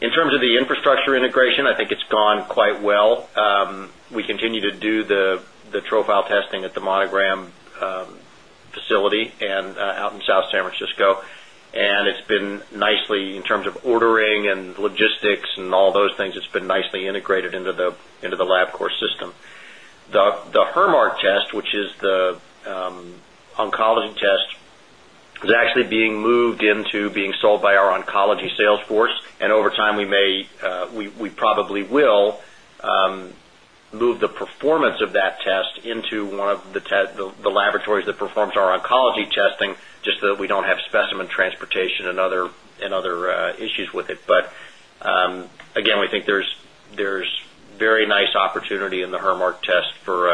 In terms of the infrastructure integration, I think it has gone quite well. We continue to do the profile testing at the Monogram facility out in South San Francisco. It has been nicely, in terms of ordering and logistics and all those things. It has been nicely integrated into the LabCorp system. The Herrmark test, which is the oncology test, is actually being moved into being sold by our oncology salesforce. Over time, we probably will move the performance of that test into one of the laboratories that performs our oncology testing just so that we do not have specimen transportation and other issues with it. Again, we think there is very nice opportunity in the Herrmark test for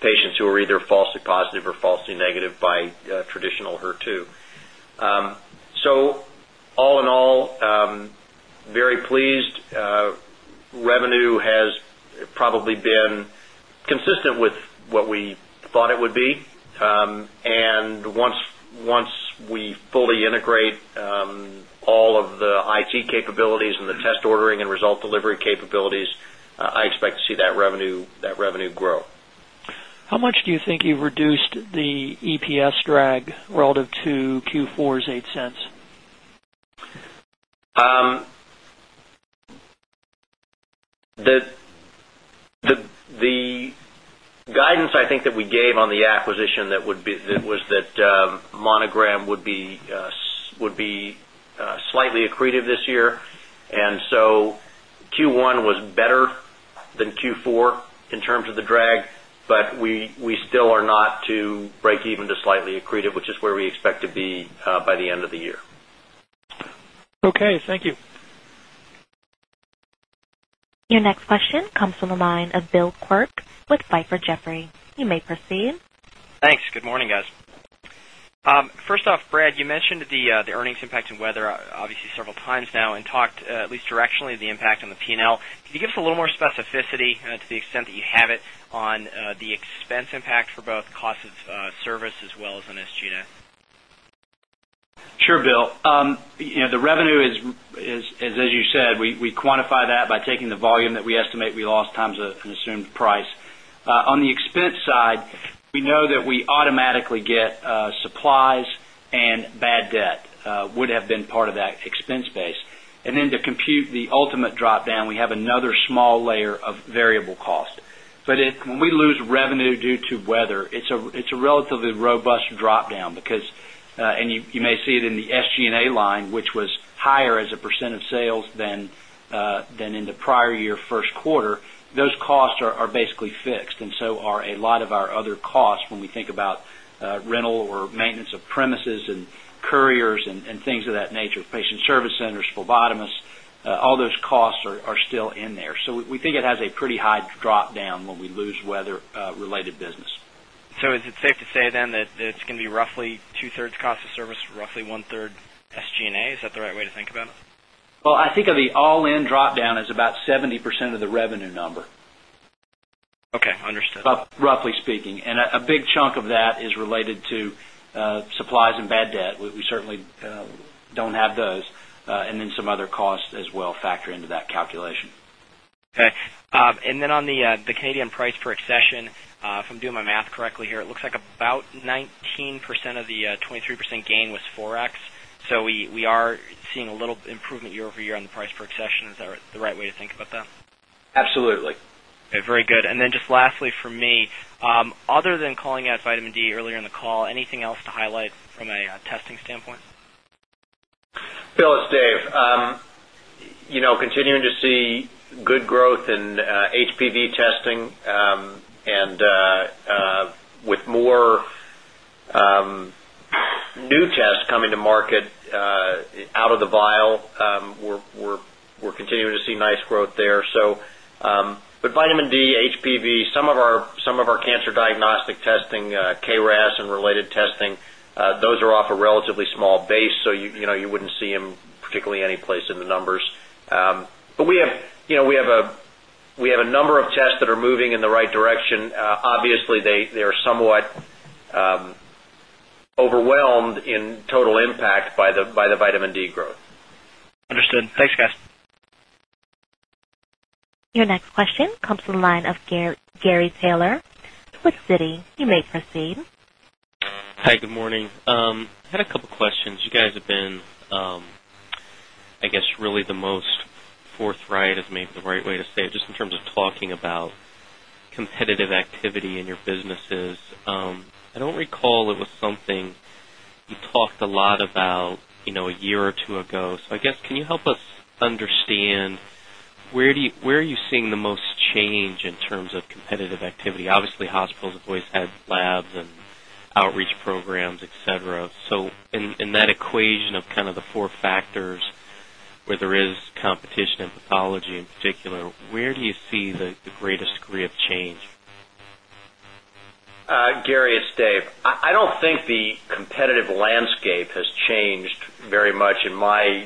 patients who are either falsely positive or falsely negative by traditional HER2. All in all, very pleased. Revenue has probably been consistent with what we thought it would be. Once we fully integrate all of the IT capabilities and the test ordering and result delivery capabilities, I expect to see that revenue grow. How much do you think you've reduced the EPS drag relative to Q4's $0.08? The guidance I think that we gave on the acquisition was that Monogram would be slightly accretive this year. Q1 was better than Q4 in terms of the drag, but we still are not to break even to slightly accretive, which is where we expect to be by the end of the year. Okay. Thank you. Your next question comes from the line of Bill Quirk with Piper Jaffray. You may proceed. Thanks. Good morning, guys. First off, Brad, you mentioned the earnings impact and weather obviously several times now and talked at least directionally the impact on the P&L. Can you give us a little more specificity to the extent that you have it on the expense impact for both cost of service as well as on SG&A? Sure, Bill. The revenue is, as you said, we quantify that by taking the volume that we estimate we lost times an assumed price. On the expense side, we know that we automatically get supplies and bad debt would have been part of that expense base. To compute the ultimate dropdown, we have another small layer of variable cost. When we lose revenue due to weather, it is a relatively robust dropdown because you may see it in the SGNA line, which was higher as a % of sales than in the prior year first quarter. Those costs are basically fixed. A lot of our other costs when we think about rental or maintenance of premises and couriers and things of that nature, patient service centers, phlebotomists, all those costs are still in there. We think it has a pretty high dropdown when we lose weather-related business. Is it safe to say then that it's going to be roughly two-thirds cost of service, roughly one-third SGNA? Is that the right way to think about it? I think of the all-in dropdown as about 70% of the revenue number. Okay. Understood. Roughly speaking. A big chunk of that is related to supplies and bad debt. We certainly do not have those. Some other costs as well factor into that calculation. Okay. And then on the Canadian price per accession, if I'm doing my math correctly here, it looks like about 19% of the 23% gain was Forex. We are seeing a little improvement year-over-year on the price per accession. Is that the right way to think about that? Absolutely. Okay. Very good. Then just lastly for me, other than calling out vitamin D earlier in the call, anything else to highlight from a testing standpoint? Bill, it's Dave. Continuing to see good growth in HPV testing and with more new tests coming to market out of the vial, we're continuing to see nice growth there. Vitamin D, HPV, some of our cancer diagnostic testing, KRAS and related testing, those are off a relatively small base. You would not see them particularly any place in the numbers. We have a number of tests that are moving in the right direction. Obviously, they are somewhat overwhelmed in total impact by the vitamin D growth. Understood. Thanks, guys. Your next question comes from the line of Gary Taylor with Citi. You may proceed. Hi. Good morning. I had a couple of questions. You guys have been, I guess, really the most forthright, if maybe the right way to say it, just in terms of talking about competitive activity in your businesses. I do not recall it was something you talked a lot about a year or two ago. I guess can you help us understand where are you seeing the most change in terms of competitive activity? Obviously, hospitals have always had labs and outreach programs, etc. In that equation of kind of the four factors where there is competition and pathology in particular, where do you see the greatest degree of change? Gary, it's Dave. I don't think the competitive landscape has changed very much in my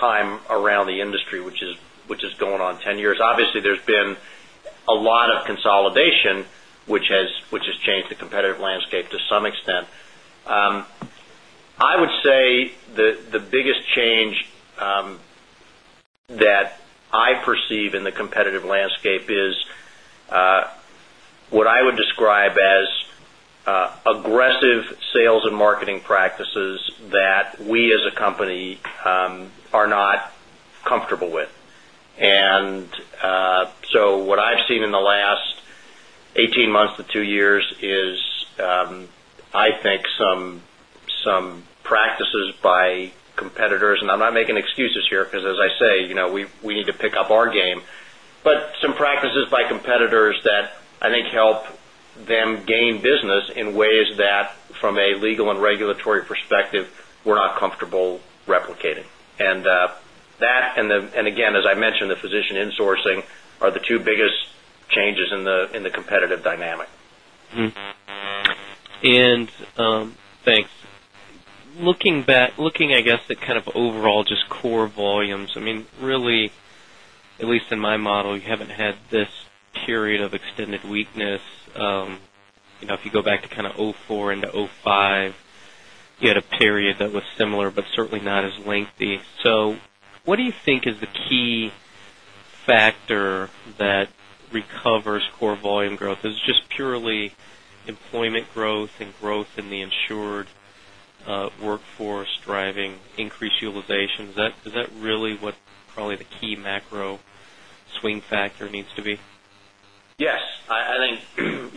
time around the industry, which is going on 10 years. Obviously, there's been a lot of consolidation, which has changed the competitive landscape to some extent. I would say the biggest change that I perceive in the competitive landscape is what I would describe as aggressive sales and marketing practices that we as a company are not comfortable with. What I've seen in the last 18 months to 2 years is, I think, some practices by competitors. I'm not making excuses here because, as I say, we need to pick up our game. Some practices by competitors that I think help them gain business in ways that, from a legal and regulatory perspective, we're not comfortable replicating. As I mentioned, the physician insourcing are the two biggest changes in the competitive dynamic. Thanks. Looking, I guess, at kind of overall just core volumes, I mean, really, at least in my model, you have not had this period of extended weakness. If you go back to kind of 2004 into 2005, you had a period that was similar but certainly not as lengthy. What do you think is the key factor that recovers core volume growth? Is it just purely employment growth and growth in the insured workforce driving increased utilization? Is that really what probably the key macro swing factor needs to be? Yes. I think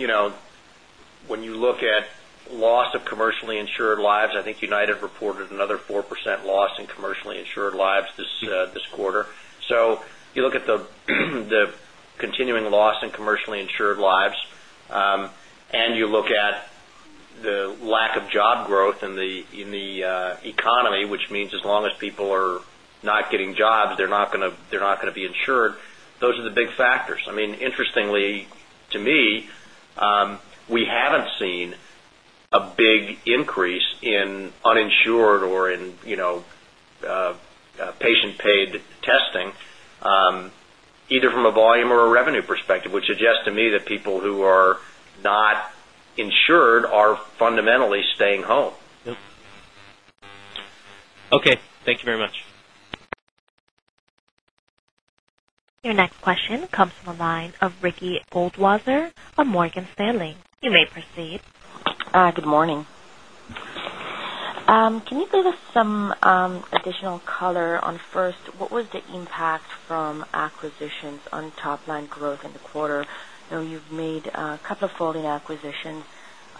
when you look at loss of commercially insured lives, I think United reported another 4% loss in commercially insured lives this quarter. You look at the continuing loss in commercially insured lives, and you look at the lack of job growth in the economy, which means as long as people are not getting jobs, they're not going to be insured. Those are the big factors. I mean, interestingly to me, we haven't seen a big increase in uninsured or in patient-paid testing, either from a volume or a revenue perspective, which suggests to me that people who are not insured are fundamentally staying home. Okay. Thank you very much. Your next question comes from the line of Ricky Goldwasser of Morgan Stanley. You may proceed. Hi. Good morning. Can you give us some additional color on first, what was the impact from acquisitions on top-line growth in the quarter? I know you've made a couple of following acquisitions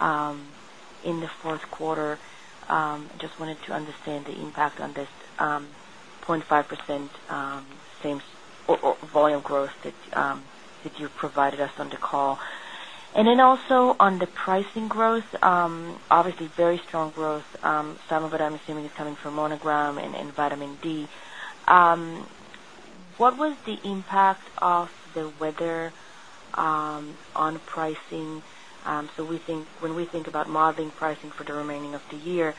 in the fourth quarter. I just wanted to understand the impact on this 0.5% volume growth that you provided us on the call. Also on the pricing growth, obviously very strong growth, some of it I'm assuming is coming from Monogram and vitamin D. What was the impact of the weather on pricing? When we think about modeling pricing for the remaining of the year,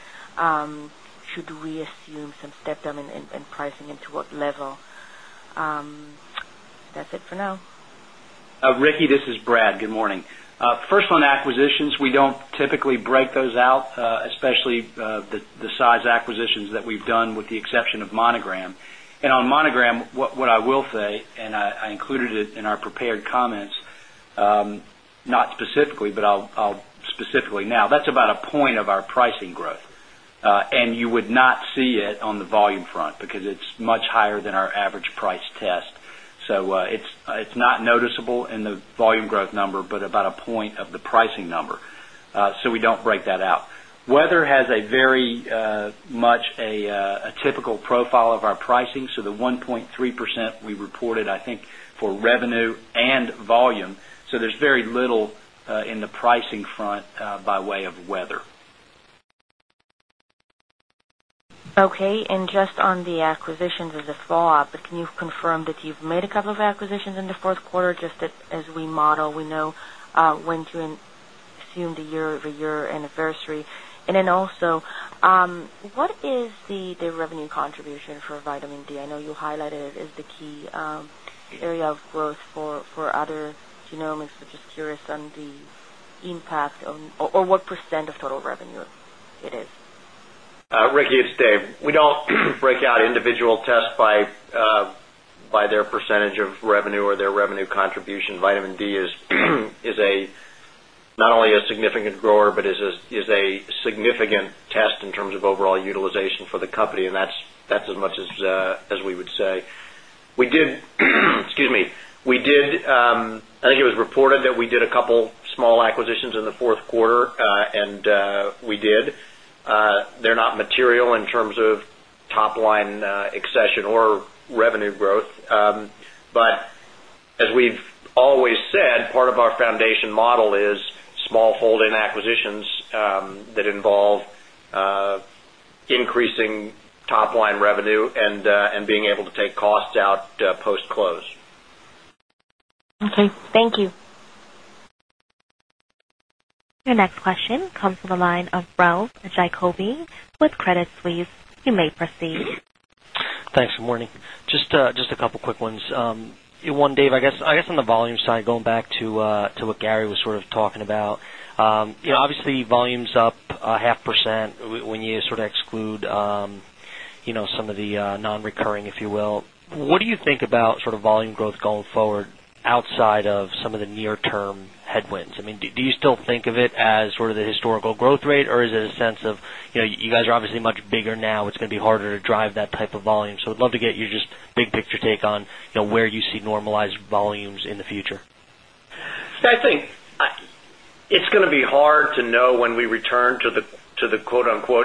should we assume some step-down in pricing and to what level? That's it for now. Ricky, this is Brad. Good morning. First, on acquisitions, we do not typically break those out, especially the size acquisitions that we have done with the exception of Monogram. And on Monogram, what I will say, and I included it in our prepared comments, not specifically, but I will specifically now, that is about a point of our pricing growth. And you would not see it on the volume front because it is much higher than our average price test. It is not noticeable in the volume growth number, but about a point of the pricing number. We do not break that out. Weather has very much a typical profile of our pricing. The 1.3% we reported, I think, for revenue and volume. There is very little in the pricing front by way of weather. Okay. Just on the acquisitions as a follow-up, can you confirm that you've made a couple of acquisitions in the fourth quarter just as we model? We know when to assume the year-over-year anniversary. Also, what is the revenue contribution for vitamin D? I know you highlighted it as the key area of growth for other genomics. I'm just curious on the impact or what % of total revenue it is. Ricky, it's Dave. We don't break out individual tests by their percentage of revenue or their revenue contribution. Vitamin D is not only a significant grower, but is a significant test in terms of overall utilization for the company. That's as much as we would say. Excuse me. I think it was reported that we did a couple of small acquisitions in the fourth quarter, and we did. They're not material in terms of top-line accession or revenue growth. As we've always said, part of our foundation model is small fold-in acquisitions that involve increasing top-line revenue and being able to take costs out post-close. Okay. Thank you. Your next question comes from the line of Ralph Jacoby with Credit Suisse. You may proceed. Thanks. Good morning. Just a couple of quick ones. One, Dave, I guess on the volume side, going back to what Gary was sort of talking about, obviously volume's up a half percent when you sort of exclude some of the non-recurring, if you will. What do you think about sort of volume growth going forward outside of some of the near-term headwinds? I mean, do you still think of it as sort of the historical growth rate, or is it a sense of you guys are obviously much bigger now. It's going to be harder to drive that type of volume. Would love to get your just big-picture take on where you see normalized volumes in the future. I think it's going to be hard to know when we return to the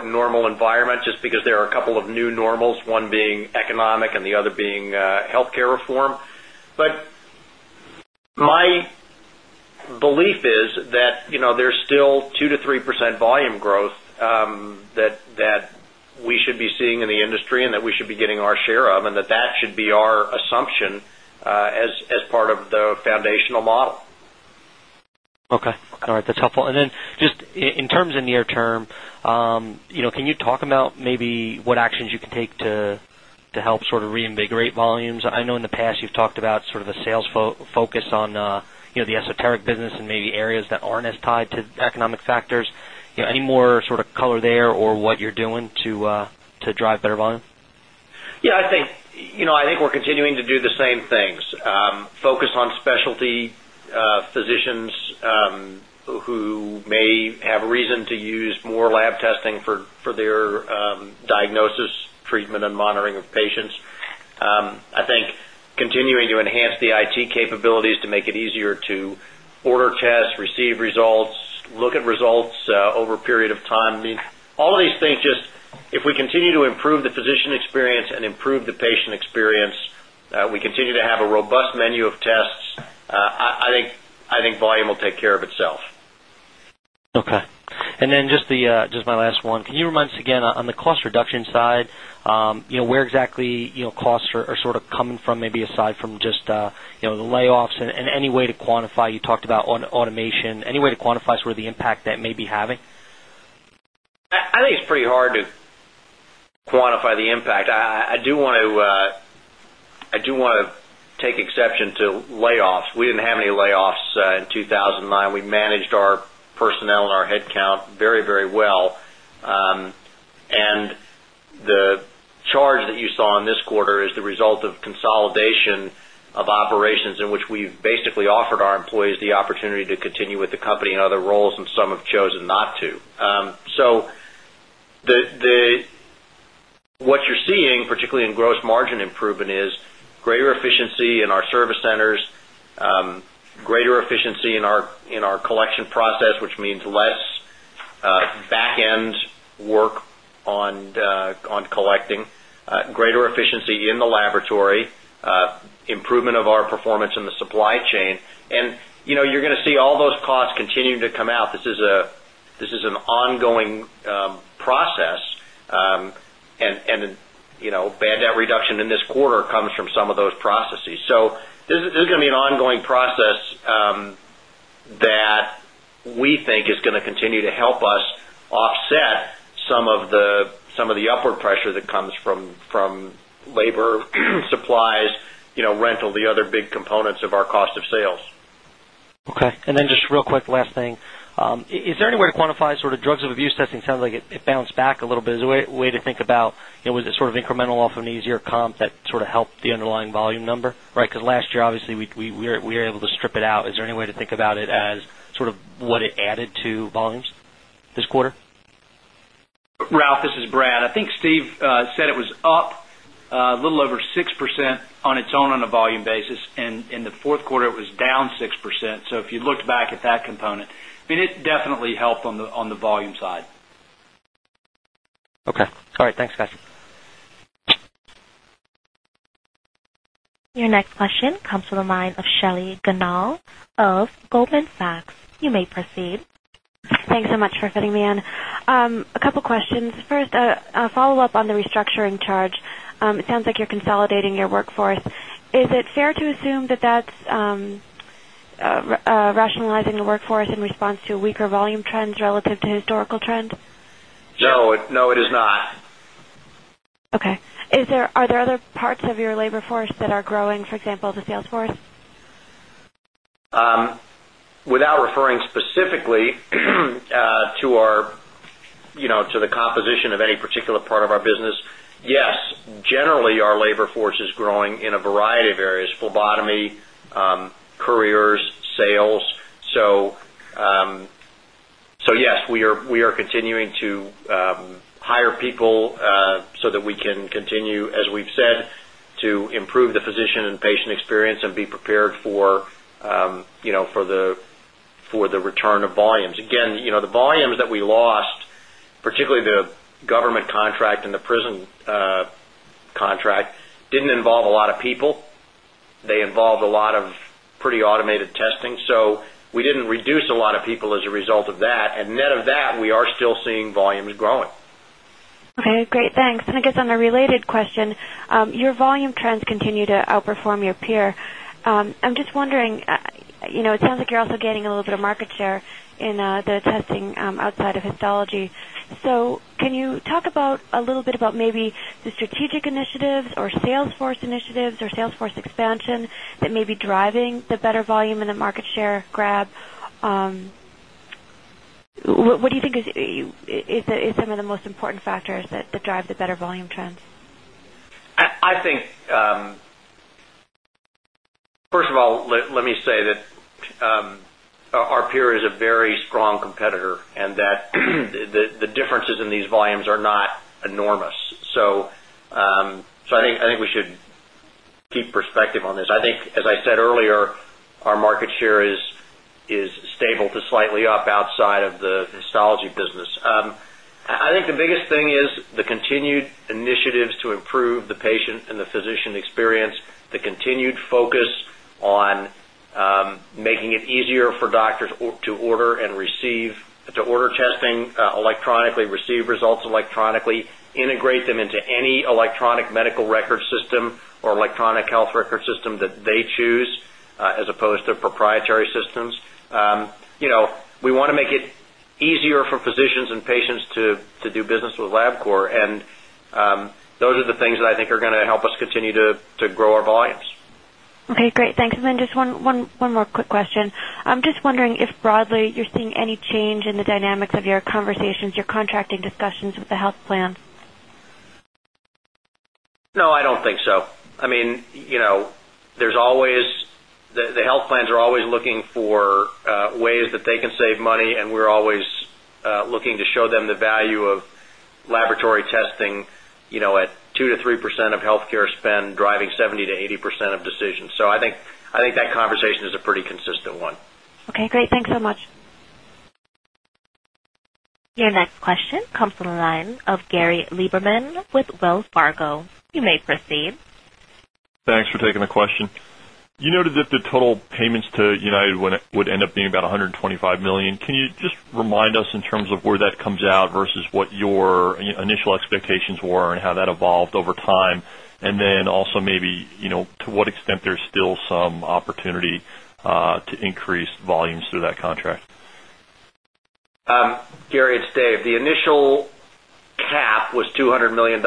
"normal environment" just because there are a couple of new normals, one being economic and the other being healthcare reform. My belief is that there's still 2-3% volume growth that we should be seeing in the industry and that we should be getting our share of, and that that should be our assumption as part of the foundational model. Okay. All right. That's helpful. In terms of near-term, can you talk about maybe what actions you can take to help sort of reinvigorate volumes? I know in the past you've talked about sort of a sales focus on the esoteric business and maybe areas that aren't as tied to economic factors. Any more sort of color there or what you're doing to drive better volume? Yeah. I think we're continuing to do the same things. Focus on specialty physicians who may have a reason to use more lab testing for their diagnosis, treatment, and monitoring of patients. I think continuing to enhance the IT capabilities to make it easier to order tests, receive results, look at results over a period of time. I mean, all of these things just if we continue to improve the physician experience and improve the patient experience, we continue to have a robust menu of tests, I think volume will take care of itself. Okay. And then just my last one. Can you remind us again on the cost reduction side, where exactly costs are sort of coming from, maybe aside from just the layoffs and any way to quantify? You talked about automation. Any way to quantify sort of the impact that may be having? I think it's pretty hard to quantify the impact. I do want to take exception to layoffs. We didn't have any layoffs in 2009. We managed our personnel and our headcount very, very well. The charge that you saw in this quarter is the result of consolidation of operations in which we've basically offered our employees the opportunity to continue with the company in other roles, and some have chosen not to. What you're seeing, particularly in gross margin improvement, is greater efficiency in our service centers, greater efficiency in our collection process, which means less back-end work on collecting, greater efficiency in the laboratory, improvement of our performance in the supply chain. You're going to see all those costs continue to come out. This is an ongoing process. Band-aid reduction in this quarter comes from some of those processes. This is going to be an ongoing process that we think is going to continue to help us offset some of the upward pressure that comes from labor, supplies, rental, the other big components of our cost of sales. Okay. And then just real quick, last thing. Is there any way to quantify sort of drugs of abuse testing? Sounds like it bounced back a little bit. Is there a way to think about was it sort of incremental off of an easier comp that sort of helped the underlying volume number? Right? Because last year, obviously, we were able to strip it out. Is there any way to think about it as sort of what it added to volumes this quarter? Ralph, this is Brad. I think Steve said it was up a little over 6% on its own on a volume basis. In the fourth quarter, it was down 6%. If you looked back at that component, I mean, it definitely helped on the volume side. Okay. All right. Thanks, guys. Your next question comes from the line of Shelley Gnall of Goldman Sachs. You may proceed. Thanks so much for fitting me in. A couple of questions. First, a follow-up on the restructuring charge. It sounds like you're consolidating your workforce. Is it fair to assume that that's rationalizing the workforce in response to weaker volume trends relative to historical trends? No. No, it is not. Okay. Are there other parts of your labor force that are growing, for example, the sales force? Without referring specifically to the composition of any particular part of our business, yes. Generally, our labor force is growing in a variety of areas: phlebotomy, couriers, sales. Yes, we are continuing to hire people so that we can continue, as we've said, to improve the physician and patient experience and be prepared for the return of volumes. The volumes that we lost, particularly the government contract and the prison contract, did not involve a lot of people. They involved a lot of pretty automated testing. We did not reduce a lot of people as a result of that. Net of that, we are still seeing volumes growing. Okay. Great. Thanks. I guess on a related question, your volume trends continue to outperform your peer. I'm just wondering, it sounds like you're also getting a little bit of market share in the testing outside of histology. Can you talk a little bit about maybe the strategic initiatives or sales force initiatives or sales force expansion that may be driving the better volume and the market share grab? What do you think is some of the most important factors that drive the better volume trends? I think, first of all, let me say that our peer is a very strong competitor and that the differences in these volumes are not enormous. I think we should keep perspective on this. I think, as I said earlier, our market share is stable to slightly up outside of the histology business. I think the biggest thing is the continued initiatives to improve the patient and the physician experience, the continued focus on making it easier for doctors to order and receive testing electronically, receive results electronically, integrate them into any electronic medical record system or electronic health record system that they choose as opposed to proprietary systems. We want to make it easier for physicians and patients to do business with LabCorp, and those are the things that I think are going to help us continue to grow our volumes. Okay. Great. Thanks. Just one more quick question. I'm just wondering if broadly you're seeing any change in the dynamics of your conversations, your contracting discussions with the health plan? No, I don't think so. I mean, the health plans are always looking for ways that they can save money, and we're always looking to show them the value of laboratory testing at 2-3% of healthcare spend driving 70-80% of decisions. I think that conversation is a pretty consistent one. Okay. Great. Thanks so much. Your next question comes from the line of Gary Liberman with Wells Fargo. You may proceed. Thanks for taking the question. You noted that the total payments to United would end up being about $125 million. Can you just remind us in terms of where that comes out versus what your initial expectations were and how that evolved over time? Also, maybe to what extent there's still some opportunity to increase volumes through that contract? Gary, it's Dave. The initial cap was $200 million.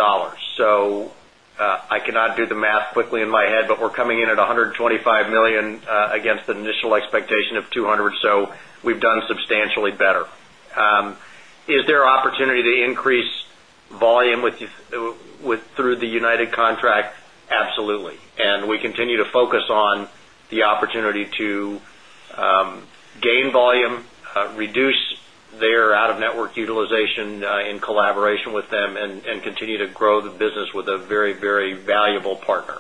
I cannot do the math quickly in my head, but we're coming in at 125 million against an initial expectation of 200. We have done substantially better. Is there opportunity to increase volume through the United contract? Absolutely. We continue to focus on the opportunity to gain volume, reduce their out-of-network utilization in collaboration with them, and continue to grow the business with a very, very valuable partner.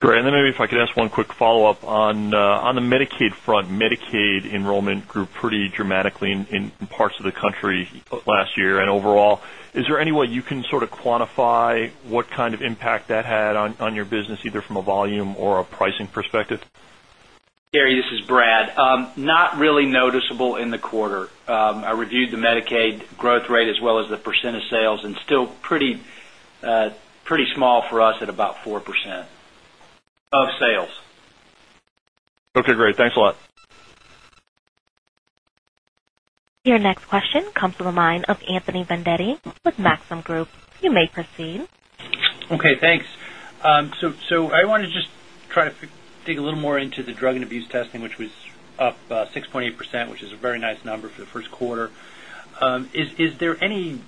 Great. Maybe if I could ask one quick follow-up on the Medicaid front. Medicaid enrollment grew pretty dramatically in parts of the country last year. Overall, is there any way you can sort of quantify what kind of impact that had on your business, either from a volume or a pricing perspective? Gary, this is Brad. Not really noticeable in the quarter. I reviewed the Medicaid growth rate as well as the percent of sales and still pretty small for us at about 4% of sales. Okay. Great. Thanks a lot. Your next question comes from the line of Anthony Vendetti with Maxim Group. You may proceed. Okay. Thanks. I want to just try to dig a little more into the drugs of abuse testing, which was up 6.8%, which is a very nice number for the first quarter. Is there any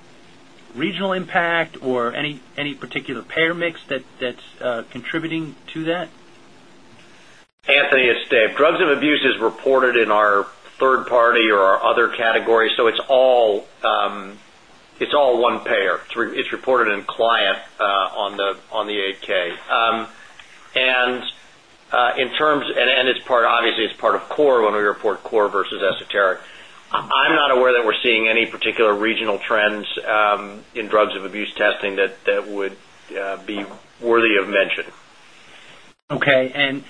regional impact or any particular payer mix that's contributing to that? Anthony, it's Dave. Drugs of abuse is reported in our third-party or our other category. So it's all one payer. It's reported in client on the AK. And it's part, obviously, it's part of core when we report core versus esoteric. I'm not aware that we're seeing any particular regional trends in drugs of abuse testing that would be worthy of mention. Okay.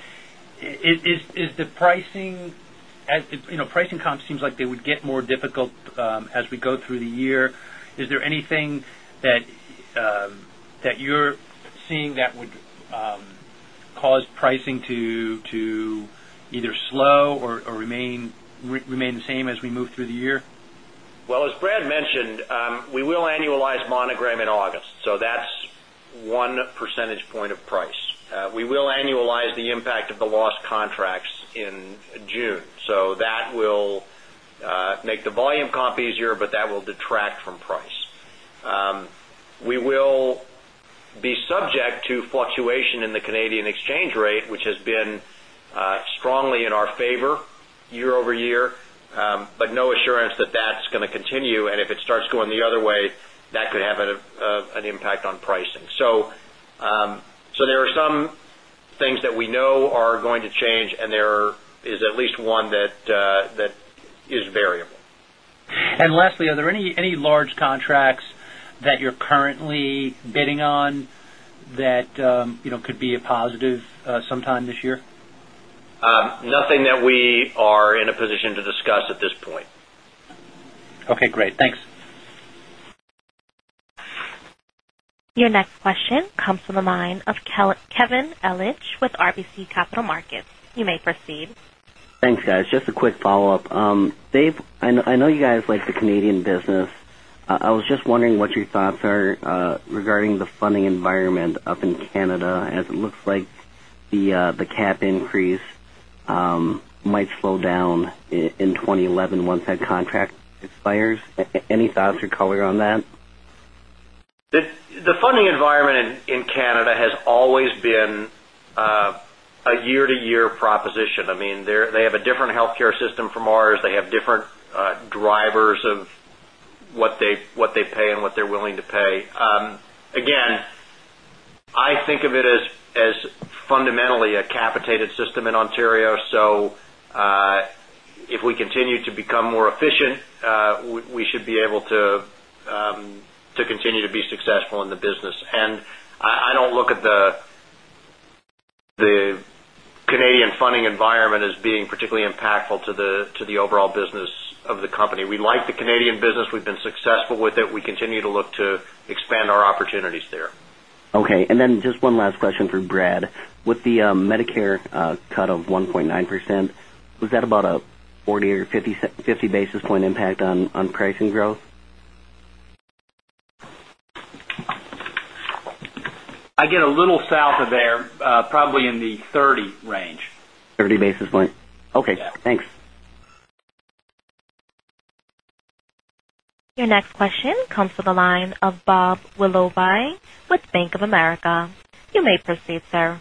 Is the pricing comp seems like they would get more difficult as we go through the year? Is there anything that you're seeing that would cause pricing to either slow or remain the same as we move through the year? As Brad mentioned, we will annualize Monogram in August. That is one percentage point of price. We will annualize the impact of the lost contracts in June. That will make the volume comp easier, but that will detract from price. We will be subject to fluctuation in the Canadian exchange rate, which has been strongly in our favor year-over -year, but there is no assurance that is going to continue. If it starts going the other way, that could have an impact on pricing. There are some things that we know are going to change, and there is at least one that is variable. Are there any large contracts that you're currently bidding on that could be a positive sometime this year? Nothing that we are in a position to discuss at this point. Okay. Great. Thanks. Your next question comes from the line of Kevin Ellich with RBC Capital Markets. You may proceed. Thanks, guys. Just a quick follow-up. Dave, I know you guys like the Canadian business. I was just wondering what your thoughts are regarding the funding environment up in Canada, as it looks like the cap increase might slow down in 2011 once that contract expires. Any thoughts or color on that? The funding environment in Canada has always been a year-to-year proposition. I mean, they have a different healthcare system from ours. They have different drivers of what they pay and what they're willing to pay. Again, I think of it as fundamentally a capitated system in Ontario. If we continue to become more efficient, we should be able to continue to be successful in the business. I do not look at the Canadian funding environment as being particularly impactful to the overall business of the company. We like the Canadian business. We've been successful with it. We continue to look to expand our opportunities there. Okay. And then just one last question for Brad. With the Medicare cut of 1.9%, was that about a 40 or 50 basis point impact on price and growth? I get a little south of there, probably in the 30 range. 30 basis points. Okay. Thanks. Your next question comes from the line of Bob Willoughby with Bank of America. You may proceed, sir.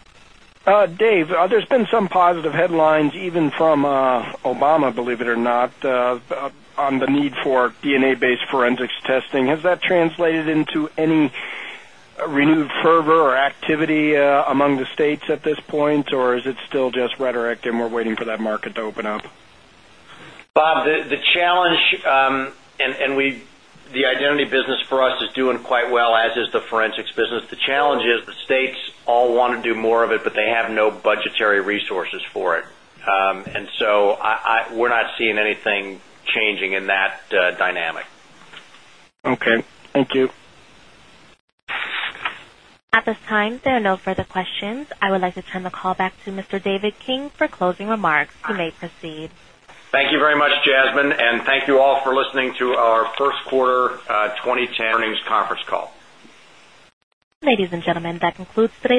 Dave, there's been some positive headlines, even from Obama, believe it or not, on the need for DNA-based forensics testing. Has that translated into any renewed fervor or activity among the states at this point, or is it still just rhetoric and we're waiting for that market to open up? Bob, the challenge—and the identity business for us is doing quite well, as is the forensics business—the challenge is the states all want to do more of it, but they have no budgetary resources for it. We are not seeing anything changing in that dynamic. Okay. Thank you. At this time, there are no further questions. I would like to turn the call back to Mr. David King for closing remarks. You may proceed. Thank you very much, Jasmine. Thank you all for listening to our first quarter 2010 earnings conference call. Ladies and gentlemen, that concludes today.